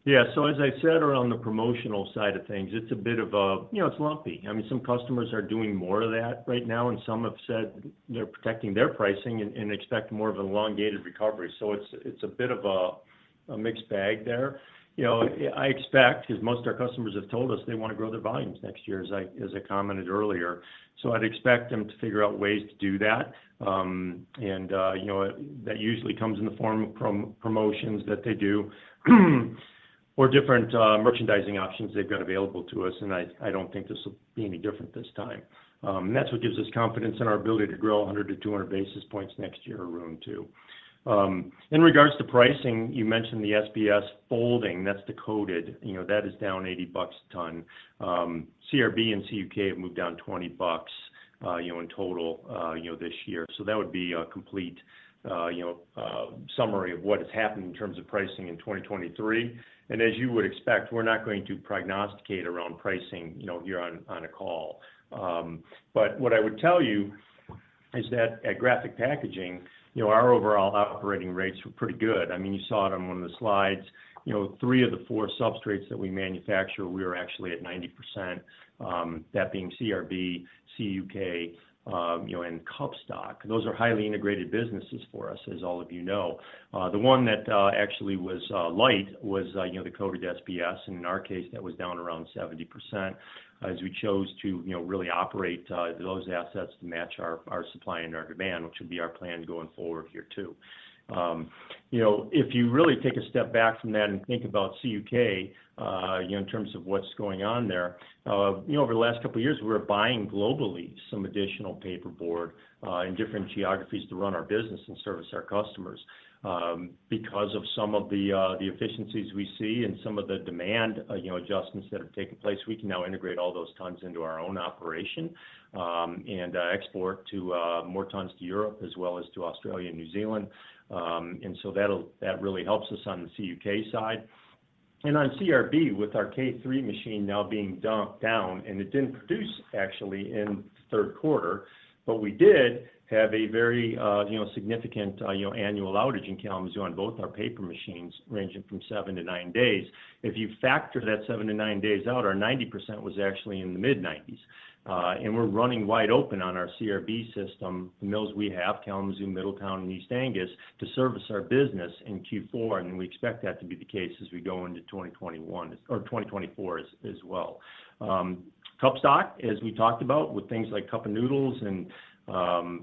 Yeah. So as I said, around the promotional side of things, it's a bit of a, you know, it's lumpy. I mean, some customers are doing more of that right now, and some have said they're protecting their pricing and expect more of an elongated recovery. So it's a bit of a mixed bag there. You know, I expect, because most of our customers have told us they want to grow their volumes next year, as I commented earlier, so I'd expect them to figure out ways to do that. And you know, that usually comes in the form of promotions that they do, or different merchandising options they've got available to us, and I don't think this will be any different this time. That's what gives us confidence in our ability to grow 100 basis points-200 basis points next year or around, too. In regards to pricing, you mentioned the SBS folding, that's the coated, you know, that is down $80 a ton. CRB and CUK have moved down $20, you know, in total this year. So that would be a complete, you know, summary of what has happened in terms of pricing in 2023. And as you would expect, we're not going to prognosticate around pricing, you know, here on a call. But what I would tell you is that at Graphic Packaging, you know, our overall operating rates were pretty good. I mean, you saw it on one of the slides. You know, three of the four substrates that we manufacture, we are actually at 90%, that being CRB, CUK, you know, and cup stock. Those are highly integrated businesses for us, as all of you know. The one that actually was light was, you know, the coated SBS, and in our case, that was down around 70%. As we chose to, you know, really operate those assets to match our supply and our demand, which would be our plan going forward here, too. You know, if you really take a step back from that and think about CUK, you know, in terms of what's going on there, you know, over the last couple of years, we were buying globally some additional paperboard in different geographies to run our business and service our customers. Because of some of the efficiencies we see and some of the demand, you know, adjustments that have taken place, we can now integrate all those tons into our own operation, and export more tons to Europe as well as to Australia and New Zealand. And so that'll that really helps us on the CUK side. And on CRB, with our K3 machine now being down, and it didn't produce actually in the third quarter, but we did have a very, you know, significant, you know, annual outage in Kalamazoo on both our paper machines, ranging from 7 days-9 days. If you factor that 7 days-9 days out, our 90% was actually in the mid-90s. We're running wide open on our CRB system, the mills we have, Kalamazoo, Middletown, and East Angus, to service our business in Q4, and we expect that to be the case as we go into 2021, or 2024 as well. Cup stock, as we talked about, with things like Cup Noodles and,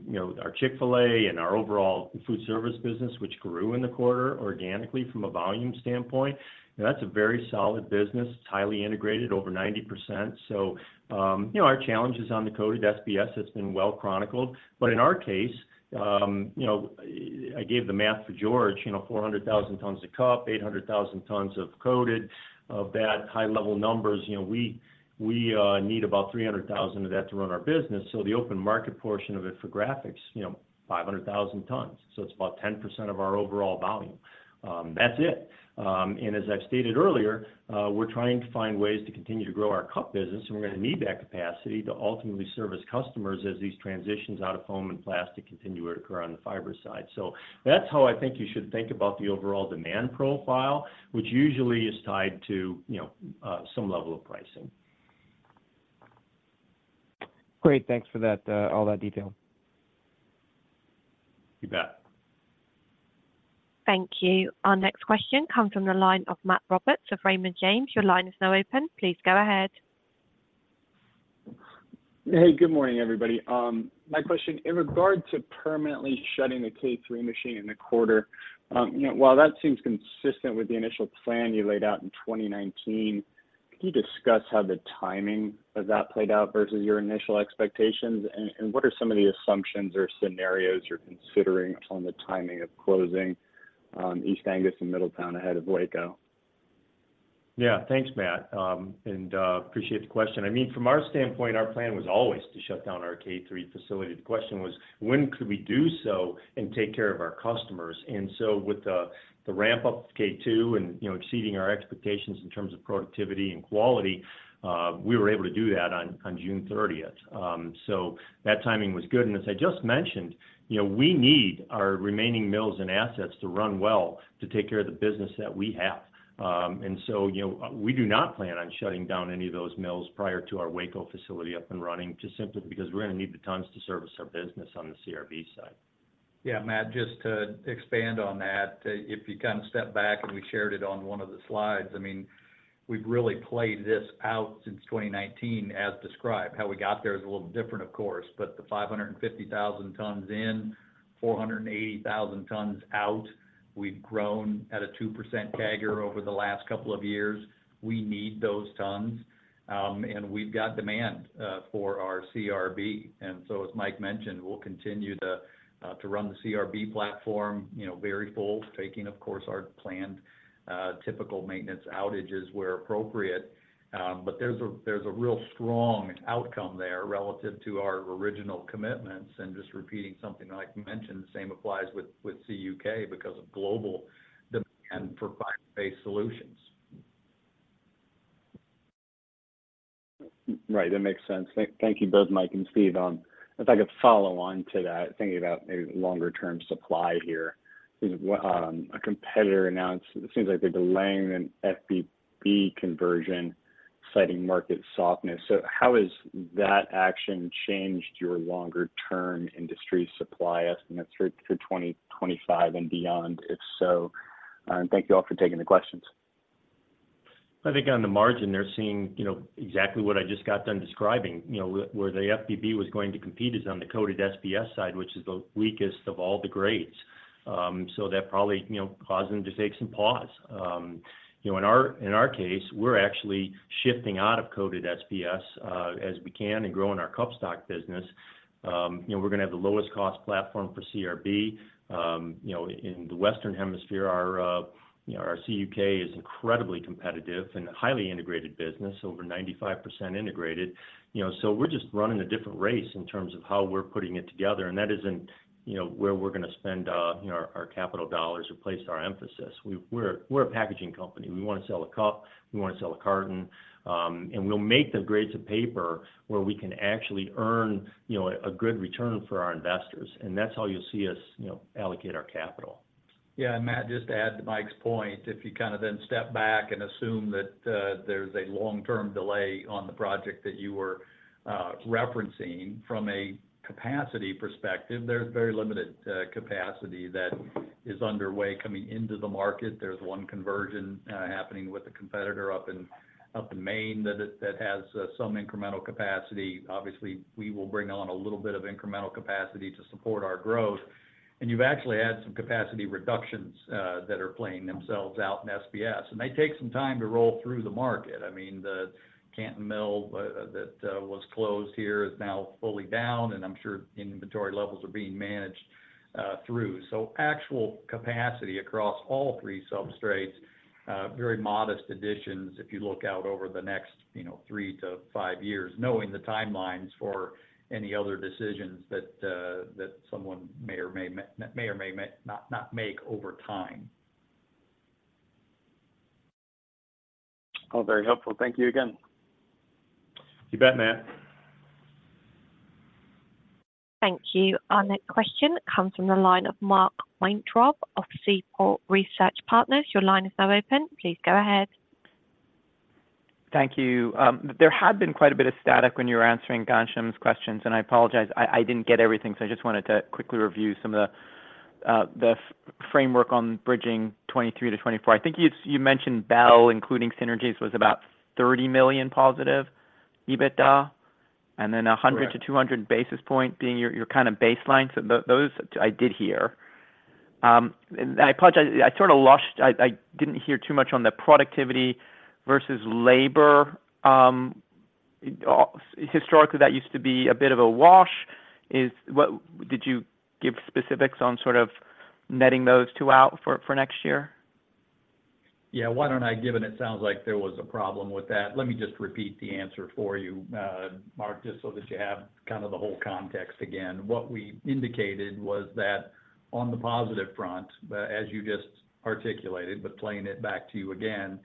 you know, our Chick-fil-A and our overall food service business, which grew in the quarter organically from a volume standpoint, and that's a very solid business. It's highly integrated, over 90%. So, you know, our challenges on the coated SBS has been well chronicled. But in our case, you know, I gave the math for George, you know, 400,000 tons of cup, 800,000 tons of coated. Of that high-level numbers, you know, we need about 300,000 of that to run our business. So the open market portion of it for Graphic, you know, 500,000 tons, so it's about 10% of our overall volume. That's it. And as I've stated earlier, we're trying to find ways to continue to grow our cup business, and we're going to need that capacity to ultimately service customers as these transitions out of foam and plastic continue to occur on the fiber side. So that's how I think you should think about the overall demand profile, which usually is tied to, you know, some level of pricing. Great. Thanks for that, all that detail. You bet. Thank you. Our next question comes from the line of Matt Roberts of Raymond James. Your line is now open. Please go ahead. Hey, good morning, everybody. My question: In regard to permanently shutting the K3 machine in the quarter, you know, while that seems consistent with the initial plan you laid out in 2019, could you discuss how the timing of that played out versus your initial expectations? And what are some of the assumptions or scenarios you're considering on the timing of closing East Angus and Middletown ahead of Waco? Yeah. Thanks, Matt, and appreciate the question. I mean, from our standpoint, our plan was always to shut down our K3 facility. The question was, when could we do so and take care of our customers? And so with the ramp up of K2 and, you know, exceeding our expectations in terms of productivity and quality, we were able to do that on June 30th. So that timing was good. And as I just mentioned, you know, we need our remaining mills and assets to run well, to take care of the business that we have. And so, you know, we do not plan on shutting down any of those mills prior to our Waco facility up and running, just simply because we're going to need the tons to service our business on the CRB side. Yeah, Matt, just to expand on that, if you kind of step back, and we shared it on one of the slides, I mean, we've really played this out since 2019 as described. How we got there is a little different, of course, but the 550,000 tons in, 480,000 tons out. We've grown at a 2% CAGR over the last couple of years. We need those tons, and we've got demand for our CRB. And so, as Mike mentioned, we'll continue to run the CRB platform, you know, very full, taking, of course, our planned typical maintenance outages where appropriate. But there's a real strong outcome there relative to our original commitments. And just repeating something Mike mentioned, the same applies with CUK because of global demand for fiber-based solutions. Right, that makes sense. Thank you both, Mike and Steve. If I could follow on to that, thinking about maybe longer-term supply here. A competitor announced, it seems like they're delaying an FBB conversion, citing market softness. So how has that action changed your longer-term industry supply estimates through 2025 and beyond? Thank you all for taking the questions. I think on the margin, they're seeing, you know, exactly what I just got done describing. You know, where the FBB was going to compete is on the coated SBS side, which is the weakest of all the grades. So that probably, you know, caused them to take some pause. You know, in our case, we're actually shifting out of coated SBS as we can and growing our cup stock business. You know, we're going to have the lowest cost platform for CRB. You know, in the western hemisphere, our CUK is incredibly competitive and highly integrated business, over 95% integrated. You know, so we're just running a different race in terms of how we're putting it together, and that isn't, you know, where we're going to spend, you know, our capital dollars or place our emphasis. We're a packaging company. We want to sell a cup, we want to sell a carton, and we'll make the grades of paper where we can actually earn, you know, a good return for our investors, and that's how you'll see us, you know, allocate our capital. Yeah, and Matt, just to add to Mike's point, if you kind of then step back and assume that there's a long-term delay on the project that you were referencing, from a capacity perspective, there's very limited capacity that is underway coming into the market. There's one conversion happening with a competitor up in Maine, that has some incremental capacity. Obviously, we will bring on a little bit of incremental capacity to support our growth. And you've actually add some capacity reductions that are playing themselves out in SBS, and they take some time to roll through the market. I mean, the Canton Mill that was closed here is now fully down, and I'm sure inventory levels are being managed through. So actual capacity across all three substrates, very modest additions, if you look out over the next, you know, 3 years-5 years, knowing the timelines for any other decisions that someone may or may not make over time. Oh, very helpful. Thank you again. You bet, Matt. Thank you. Our next question comes from the line of Mark Weintraub of Seaport Research Partners. Your line is now open, please go ahead. Thank you. There had been quite a bit of static when you were answering Ghansham's questions, and I apologize, I didn't get everything, so I just wanted to quickly review some of the framework on bridging 2023 to 2024. I think you mentioned Bell, including synergies, was about $30 million positive EBITDA- Correct. And then 100 basis points-200 basis points being your, your kind of baseline. So those I did hear. And I apologize, I sort of lost. I didn't hear too much on the productivity versus labor. Historically, that used to be a bit of a wash. Did you give specifics on sort of netting those two out for next year? Yeah, why don't I, given it sounds like there was a problem with that, let me just repeat the answer for you, Mark, just so that you have kind of the whole context again. What we indicated was that on the positive front, as you just articulated, but playing it back to you again,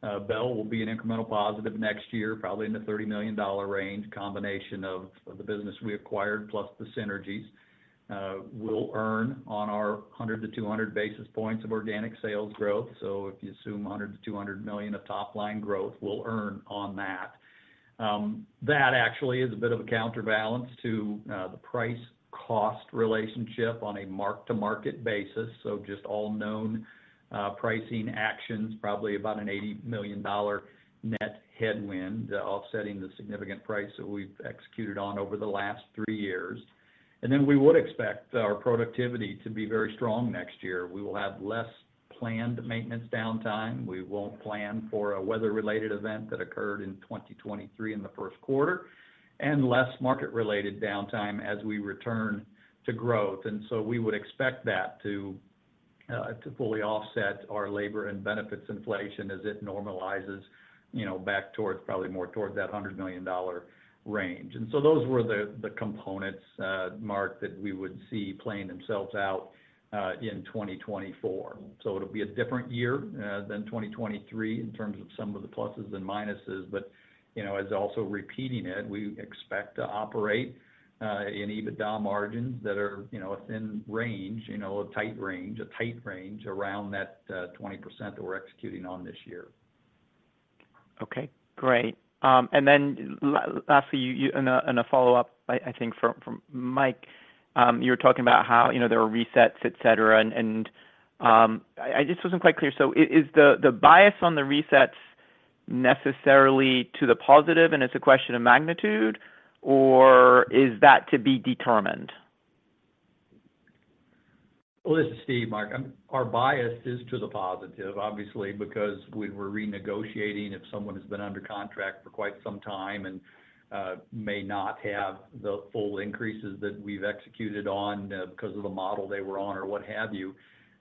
Bell will be an incremental positive next year, probably in the $30 million range, combination of the business we acquired, plus the synergies, we'll earn on our 100 basis points-200 basis points of organic sales growth. So if you assume $100 million-$200 million of top line growth, we'll earn on that. That actually is a bit of a counterbalance to the price-cost relationship on a mark-to-market basis. So just all known pricing actions, probably about an $80 million net headwind, offsetting the significant price that we've executed on over the last three years. And then we would expect our productivity to be very strong next year. We will have less planned maintenance downtime. We won't plan for a weather-related event that occurred in 2023, in the first quarter, and less market-related downtime as we return to growth. And so we would expect that to fully offset our labor and benefits inflation as it normalizes, you know, back towards—probably more towards that $100 million range. And so those were the components, Mark, that we would see playing themselves out in 2024. So it'll be a different year than 2023 in terms of some of the pluses and minuses, but, you know, as also repeating it, we expect to operate in EBITDA margins that are, you know, a thin range, you know, a tight range, a tight range around that 20% that we're executing on this year. Okay, great. And then lastly, a follow-up, I think from Mike. You were talking about how, you know, there were resets, et cetera, and I just wasn't quite clear. So is the bias on the resets necessarily to the positive, and it's a question of magnitude, or is that to be determined? Well, this is Steve, Mark. Our bias is to the positive, obviously, because we're renegotiating if someone has been under contract for quite some time, and may not have the full increases that we've executed on, because of the model they were on or what have you.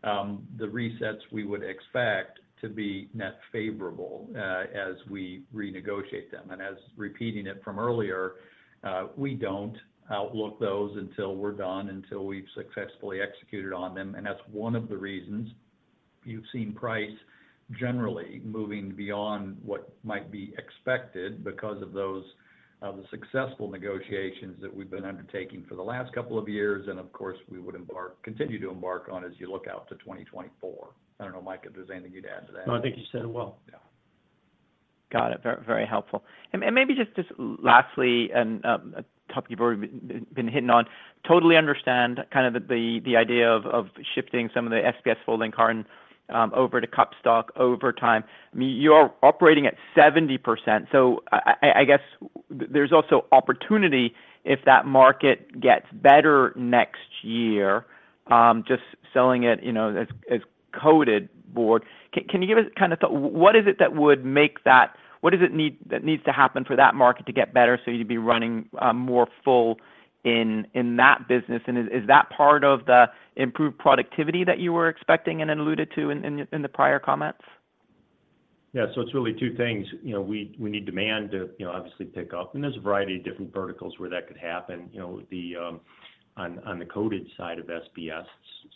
The resets we would expect to be net favorable, as we renegotiate them. As repeating it from earlier, we don't outlook those until we're done, until we've successfully executed on them, and that's one of the reasons you've seen price generally moving beyond what might be expected because of those, of the successful negotiations that we've been undertaking for the last couple of years, and of course, we would continue to embark on as you look out to 2024. I don't know, Mike, if there's anything you'd add to that? No, I think you said it well. Yeah. Got it. Very, very helpful. And maybe just lastly, and a topic you've already been hitting on, totally understand kind of the idea of shifting some of the SBS folding carton over to cup stock over time. I mean, you're operating at 70%, so I guess there's also opportunity if that market gets better next year, just selling it, you know, as coated board. Can you give us kind of thought - what is it that would make that - what does it need, that needs to happen for that market to get better so you'd be running more full in that business? And is that part of the improved productivity that you were expecting and then alluded to in the prior comments? Yeah, so it's really two things. You know, we need demand to, you know, obviously pick up, and there's a variety of different verticals where that could happen. You know, on the coated side of SBS,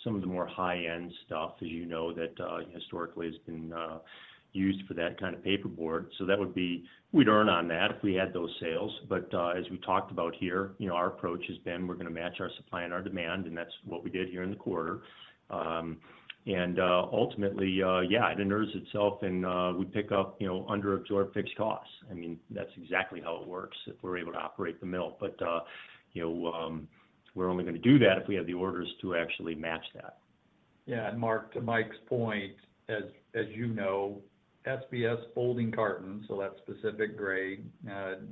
some of the more high-end stuff, as you know, that historically has been used for that kind of paperboard. So that would be. We'd earn on that if we had those sales. But as we talked about here, you know, our approach has been, we're gonna match our supply and our demand, and that's what we did here in the quarter. And ultimately, yeah, it nurses itself and we pick up, you know, underabsorbed fixed costs. I mean, that's exactly how it works, if we're able to operate the mill. But, you know, we're only gonna do that if we have the orders to actually match that. Yeah, and Mark, to Mike's point, as you know, SBS folding carton, so that specific grade,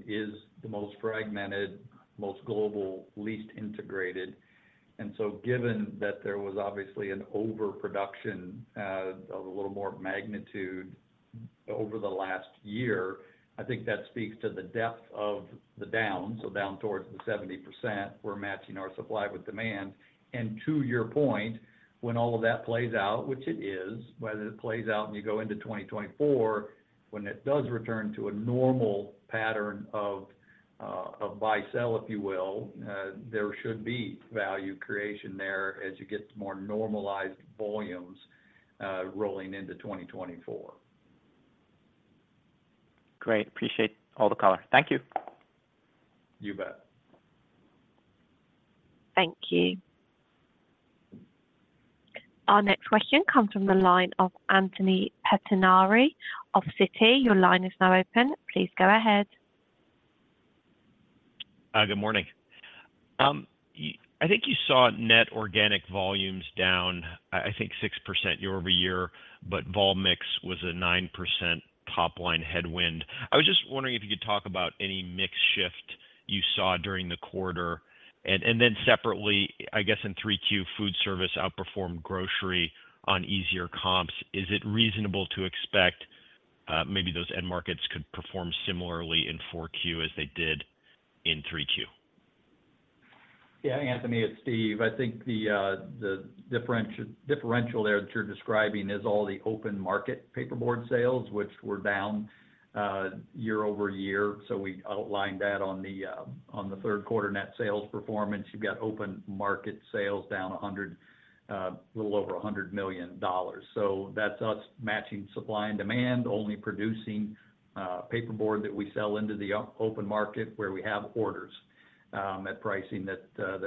is the most fragmented, most global, least integrated. And so given that there was obviously an overproduction of a little more magnitude over the last year, I think that speaks to the depth of the down, so down towards the 70%, we're matching our supply with demand. And to your point, when all of that plays out, which it is, whether it plays out and you go into 2024, when it does return to a normal pattern of buy, sell, if you will, there should be value creation there as you get to more normalized volumes rolling into 2024. Great. Appreciate all the color. Thank you. You bet. Thank you. Our next question comes from the line of Anthony Pettinari of Citi. Your line is now open. Please go ahead. Good morning. I think you saw net organic volumes down, I think 6% year-over-year, but vol mix was a 9% top line headwind. I was just wondering if you could talk about any mix shift you saw during the quarter. And then separately, I guess in 3Q, food service outperformed grocery on easier comps. Is it reasonable to expect maybe those end markets could perform similarly in 4Q as they did in 3Q? Yeah, Anthony, it's Steve. I think the differential there that you're describing is all the open market paperboard sales, which were down year-over-year. So we outlined that on the third quarter net sales performance. You've got open market sales down a little over $100 million. So that's us matching supply and demand, only producing paperboard that we sell into the open market, where we have orders at pricing that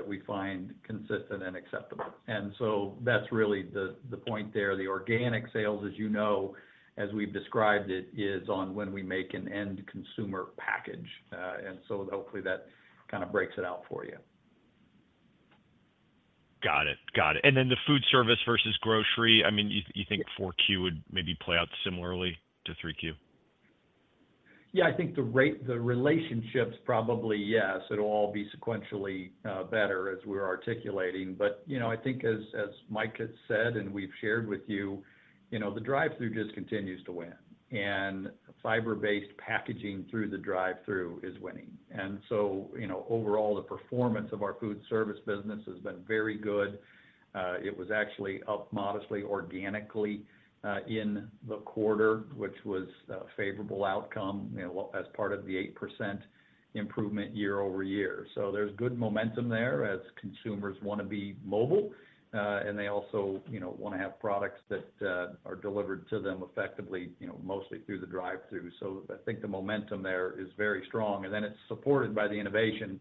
we find consistent and acceptable. And so that's really the point there. The organic sales, as you know, as we've described it, is on when we make an end consumer package. And so hopefully that kind of breaks it out for you. Got it. Got it. And then the food service versus grocery, I mean, you think 4Q would maybe play out similarly to 3Q? Yeah, I think the relationships, probably yes, it'll all be sequentially better as we're articulating. But, you know, I think as Mike has said, and we've shared with you, you know, the drive-thru just continues to win, and fiber-based packaging through the drive-thru is winning. And so, you know, overall, the performance of our food service business has been very good. It was actually up modestly, organically in the quarter, which was a favorable outcome, you know, as part of the 8% improvement year-over-year. So there's good momentum there as consumers wanna be mobile, and they also, you know, wanna have products that are delivered to them effectively, you know, mostly through the drive-thru. So I think the momentum there is very strong, and then it's supported by the innovation,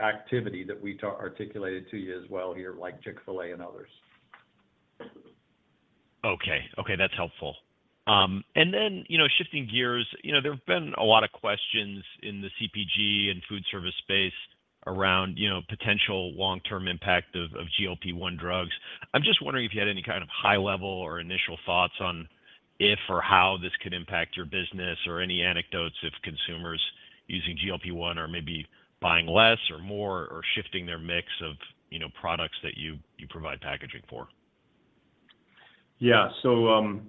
activity that we articulated to you as well here, like Chick-fil-A and others. Okay. Okay, that's helpful. And then, you know, shifting gears, you know, there have been a lot of questions in the CPG and food service space around, you know, potential long-term impact of GLP-1 drugs. I'm just wondering if you had any kind of high level or initial thoughts on if or how this could impact your business, or any anecdotes of consumers using GLP-1, or maybe buying less or more, or shifting their mix of, you know, products that you provide packaging for? Yeah. So,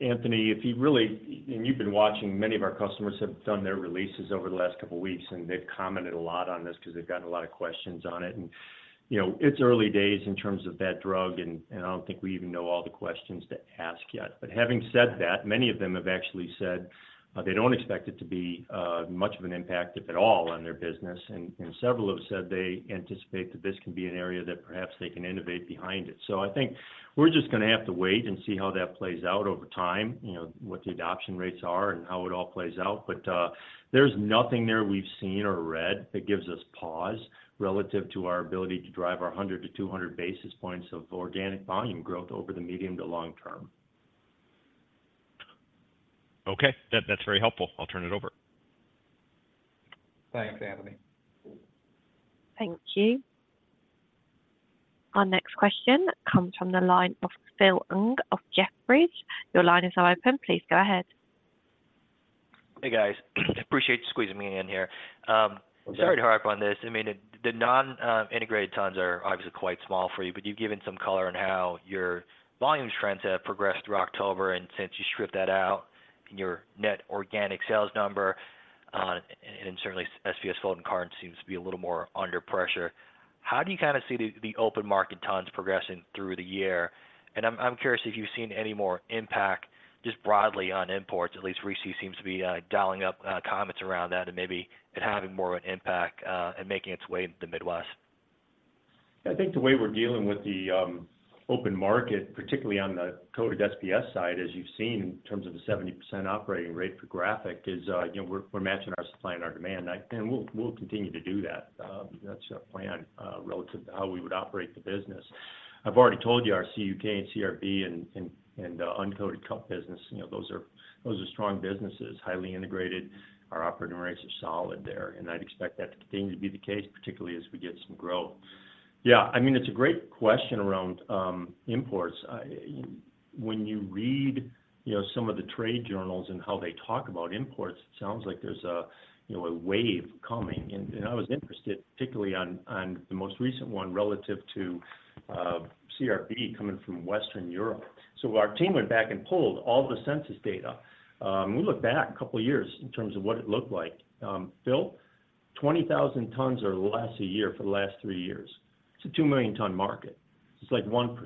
Anthony, if you really-- and you've been watching, many of our customers have done their releases over the last couple of weeks, and they've commented a lot on this because they've gotten a lot of questions on it. And, you know, it's early days in terms of that drug, and I don't think we even know all the questions to ask yet. But having said that, many of them have actually said they don't expect it to be much of an impact, if at all, on their business. And several have said they anticipate that this can be an area that perhaps they can innovate behind it. So I think we're just gonna have to wait and see how that plays out over time, you know, what the adoption rates are and how it all plays out. There's nothing there we've seen or read that gives us pause relative to our ability to drive our 100 basis points-200 basis points of organic volume growth over the medium to long term. Okay. That, that's very helpful. I'll turn it over. Thanks, Anthony. Thank you. Our next question comes from the line of Phil Ng of Jefferies. Your line is now open. Please go ahead. Hey, guys. Appreciate you squeezing me in here. Welcome. Sorry to harp on this. I mean, the non-integrated tons are obviously quite small for you, but you've given some color on how your volume trends have progressed through October and since you stripped that out, and your net organic sales number, and certainly SBS folding carton seems to be a little more under pressure. How do you kind of see the open market tons progressing through the year? And I'm curious if you've seen any more impact, just broadly on imports. At least RISI seems to be dialing up comments around that and maybe it having more of an impact, and making its way into the Midwest. I think the way we're dealing with the open market, particularly on the coated SBS side, as you've seen in terms of the 70% operating rate for Graphic, is, you know, we're matching our supply and our demand. And we'll continue to do that. That's our plan relative to how we would operate the business. I've already told you, our CUK and CRB and the uncoated cup business, you know, those are strong businesses, highly integrated. Our operating rates are solid there, and I'd expect that to continue to be the case, particularly as we get some growth. Yeah, I mean, it's a great question around imports. When you read, you know, some of the trade journals and how they talk about imports, it sounds like there's a, you know, a wave coming. I was interested, particularly on the most recent one relative to CRB coming from Western Europe. So our team went back and pulled all the census data. We looked back a couple of years in terms of what it looked like. Phil, 20,000 tons or less a year for the last three years. It's a 2 million ton market. It's like 1%.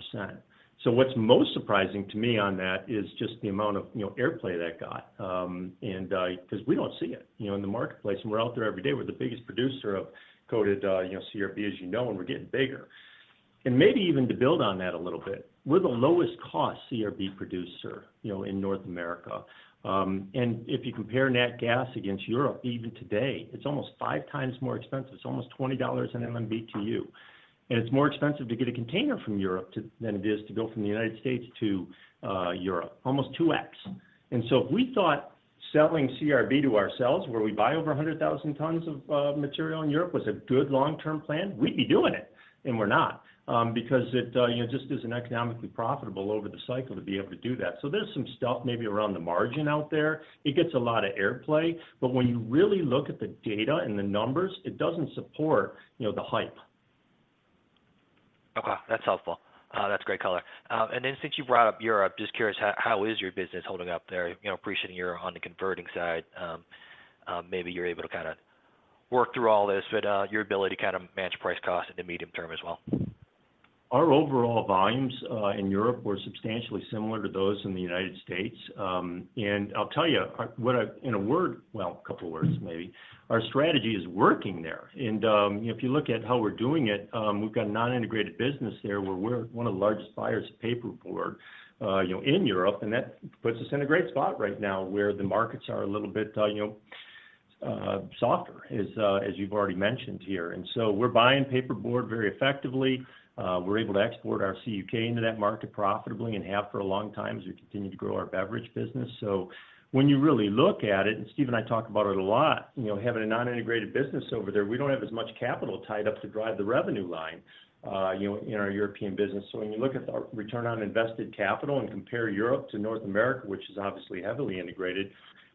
So what's most surprising to me on that is just the amount of, you know, airplay that it got. Because we don't see it, you know, in the marketplace, and we're out there every day. We're the biggest producer of coated, you know, CRB, as you know, and we're getting bigger. Maybe even to build on that a little bit, we're the lowest cost CRB producer, you know, in North America. And if you compare net gas against Europe, even today, it's almost five times more expensive. It's almost $20 in MMBTU. And it's more expensive to get a container from Europe to than it is to go from the United States to Europe, almost 2x. And so if we thought selling CRB to ourselves, where we buy over 100,000 tons of material in Europe, was a good long-term plan, we'd be doing it, and we're not. Because it, you know, just isn't economically profitable over the cycle to be able to do that. So there's some stuff maybe around the margin out there. It gets a lot of airplay, but when you really look at the data and the numbers, it doesn't support, you know, the hype. Okay, that's helpful. That's great color. And then since you brought up Europe, just curious, how is your business holding up there? You know, appreciating you're on the converting side, maybe you're able to kind of work through all this, but, your ability to kind of manage price cost in the medium term as well. Our overall volumes in Europe were substantially similar to those in the United States. And I'll tell you, in a couple of words maybe, our strategy is working there. And if you look at how we're doing it, we've got a non-integrated business there, where we're one of the largest buyers of paperboard, you know, in Europe, and that puts us in a great spot right now, where the markets are a little bit, you know, softer, as you've already mentioned here. And so we're buying paperboard very effectively. We're able to export our CUK into that market profitably and have for a long time, as we continue to grow our beverage business. So when you really look at it, and Steve and I talk about it a lot, you know, having a non-integrated business over there, we don't have as much capital tied up to drive the revenue line, you know, in our European business. So when you look at our return on invested capital and compare Europe to North America, which is obviously heavily integrated,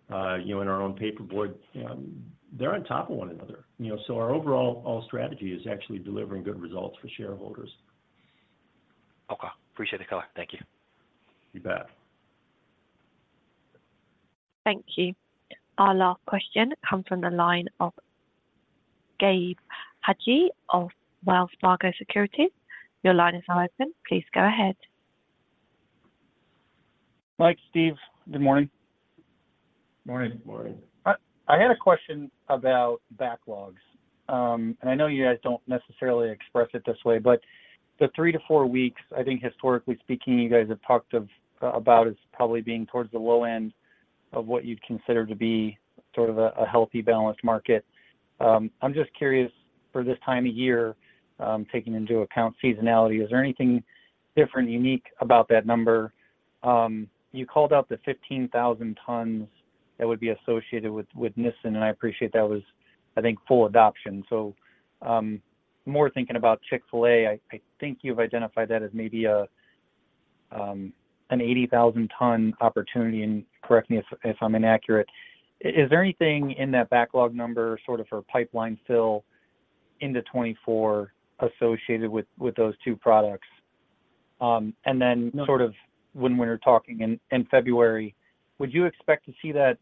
you know, in our own paperboard, they're on top of one another. You know, so our overall strategy is actually delivering good results for shareholders. Okay. Appreciate the color. Thank you. You bet. Thank you. Our last question comes from the line of Gabe Hajde of Wells Fargo Securities. Your line is now open. Please go ahead. Mike, Steve, good morning. Morning. Morning. I had a question about backlogs. I know you guys don't necessarily express it this way, but the 3 weeks-4 weeks, I think historically speaking, you guys have talked of, about as probably being towards the low end of what you'd consider to be sort of a, a healthy, balanced market. I'm just curious, for this time of year, taking into account seasonality, is there anything different, unique about that number? You called out the 15,000 tons, that would be associated with, with Nissin, and I appreciate that was, I think, full adoption. More thinking about Chick-fil-A, I think you've identified that as maybe a, an 80,000-ton opportunity, and correct me if, if I'm inaccurate. Is there anything in that backlog number, sort of for pipeline fill into 2024 associated with, with those two products? And then- No. Sort of, when we're talking in February, would you expect to see that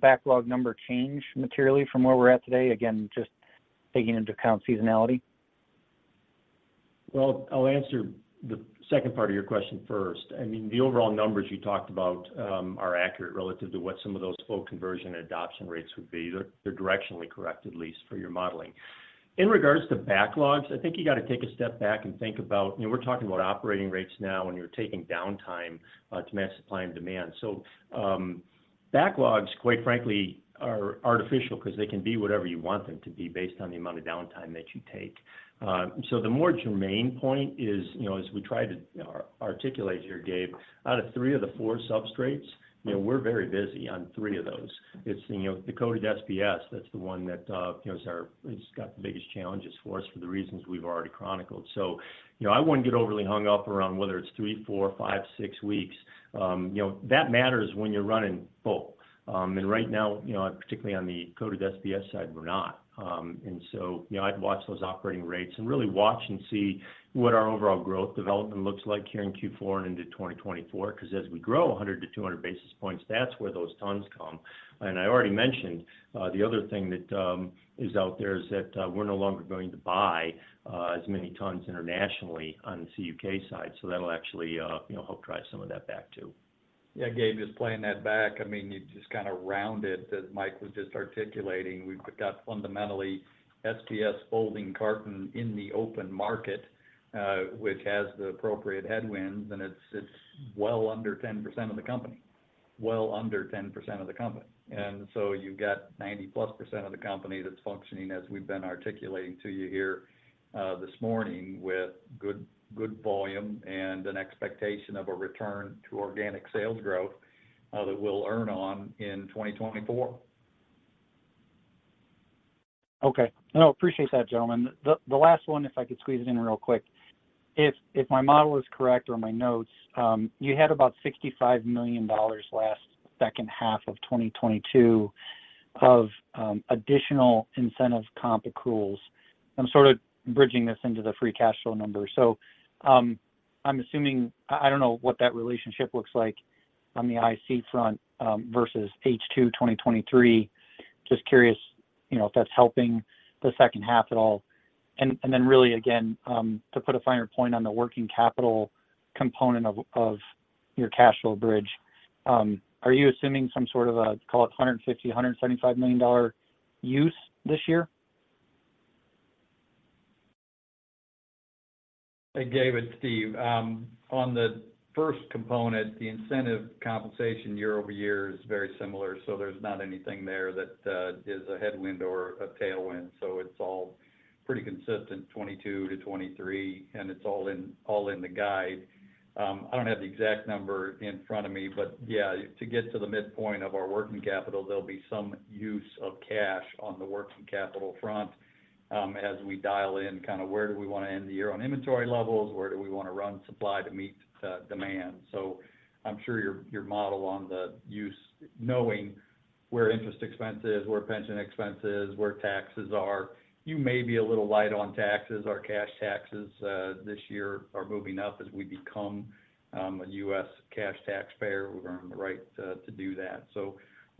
backlog number change materially from where we're at today? Again, just taking into account seasonality. Well, I'll answer the second part of your question first. I mean, the overall numbers you talked about are accurate relative to what some of those full conversion adoption rates would be. They're directionally correct, at least, for your modeling. In regards to backlogs, I think you got to take a step back and think about, you know, we're talking about operating rates now, and you're taking downtime to match supply and demand. So, backlogs, quite frankly, are artificial because they can be whatever you want them to be, based on the amount of downtime that you take. So the more germane point is, you know, as we try to articulate here, Gabe, out of three of the four substrates, you know, we're very busy on three of those. It's, you know, the coated SBS, that's the one that, you know, is our, it's got the biggest challenges for us for the reasons we've already chronicled. So, you know, I wouldn't get overly hung up around whether it's three, four, five, six weeks. You know, that matters when you're running full. And right now, you know, particularly on the coated SBS side, we're not. And so, you know, I'd watch those operating rates and really watch and see what our overall growth development looks like here in Q4 and into 2024, 'cause as we grow 100 basis points-200 basis points, that's where those tons come. And I already mentioned the other thing that is out there is that we're no longer going to buy as many tons internationally on CUK side. That'll actually, you know, help drive some of that back, too. Yeah, Gabe, just playing that back, I mean, you just kind of rounded that Mike was just articulating. We've got fundamentally SBS folding carton in the open market, which has the appropriate headwinds, and it's well under 10% of the company. Well under 10% of the company. And so you've got 90%+ of the company that's functioning, as we've been articulating to you here this morning, with good, good volume and an expectation of a return to organic sales growth that we'll earn on in 2024. Okay. No, appreciate that, gentlemen. The last one, if I could squeeze it in real quick. If my model is correct or my notes, you had about $65 million last second half of 2022 of additional incentive comp accruals. I'm sort of bridging this into the free cash flow number. So, I'm assuming... I don't know what that relationship looks like on the IC front versus H2, 2023. Just curious, you know, if that's helping the second half at all. And then really, again, to put a finer point on the working capital component of your cash flow bridge, are you assuming some sort of a, call it a $150 million-$175 million dollar use this year? Hey, Gabe, it's Steve. On the first component, the incentive compensation year-over-year is very similar, so there's not anything there that is a headwind or a tailwind. So it's all pretty consistent, 2022 to 2023, and it's all in, all in the guide. I don't have the exact number in front of me, but yeah, to get to the midpoint of our working capital, there'll be some use of cash on the working capital front, as we dial in, kind of, where do we want to end the year on inventory levels? Where do we want to run supply to meet demand? So I'm sure your model on the use, knowing where interest expense is, where pension expense is, where taxes are, you may be a little light on taxes. Our cash taxes this year are moving up as we become a U.S. cash taxpayer. We've earned the right to do that.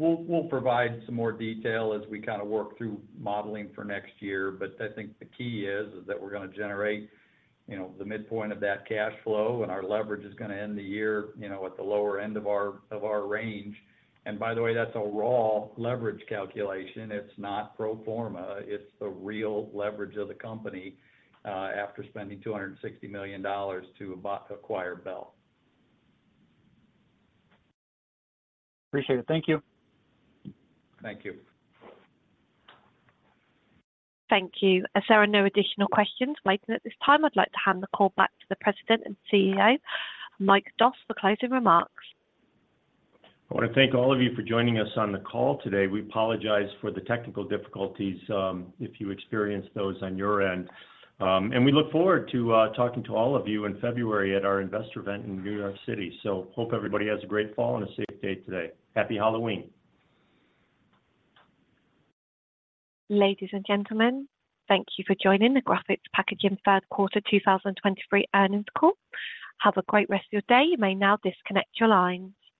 So we'll provide some more detail as we kind of work through modeling for next year. But I think the key is that we're gonna generate, you know, the midpoint of that cash flow, and our leverage is gonna end the year, you know, at the lower end of our range. And by the way, that's a raw leverage calculation. It's not pro forma. It's the real leverage of the company after spending $260 million to acquire Bell. Appreciate it. Thank you. Thank you. Thank you. As there are no additional questions waiting at this time, I'd like to hand the call back to the president and CEO, Mike Doss, for closing remarks. I want to thank all of you for joining us on the call today. We apologize for the technical difficulties, if you experienced those on your end. And we look forward to talking to all of you in February at our investor event in New York City. So hope everybody has a great fall and a safe day today. Happy Halloween! Ladies and gentlemen, thank you for joining the Graphic Packaging third quarter 2023 earnings call. Have a great rest of your day. You may now disconnect your lines.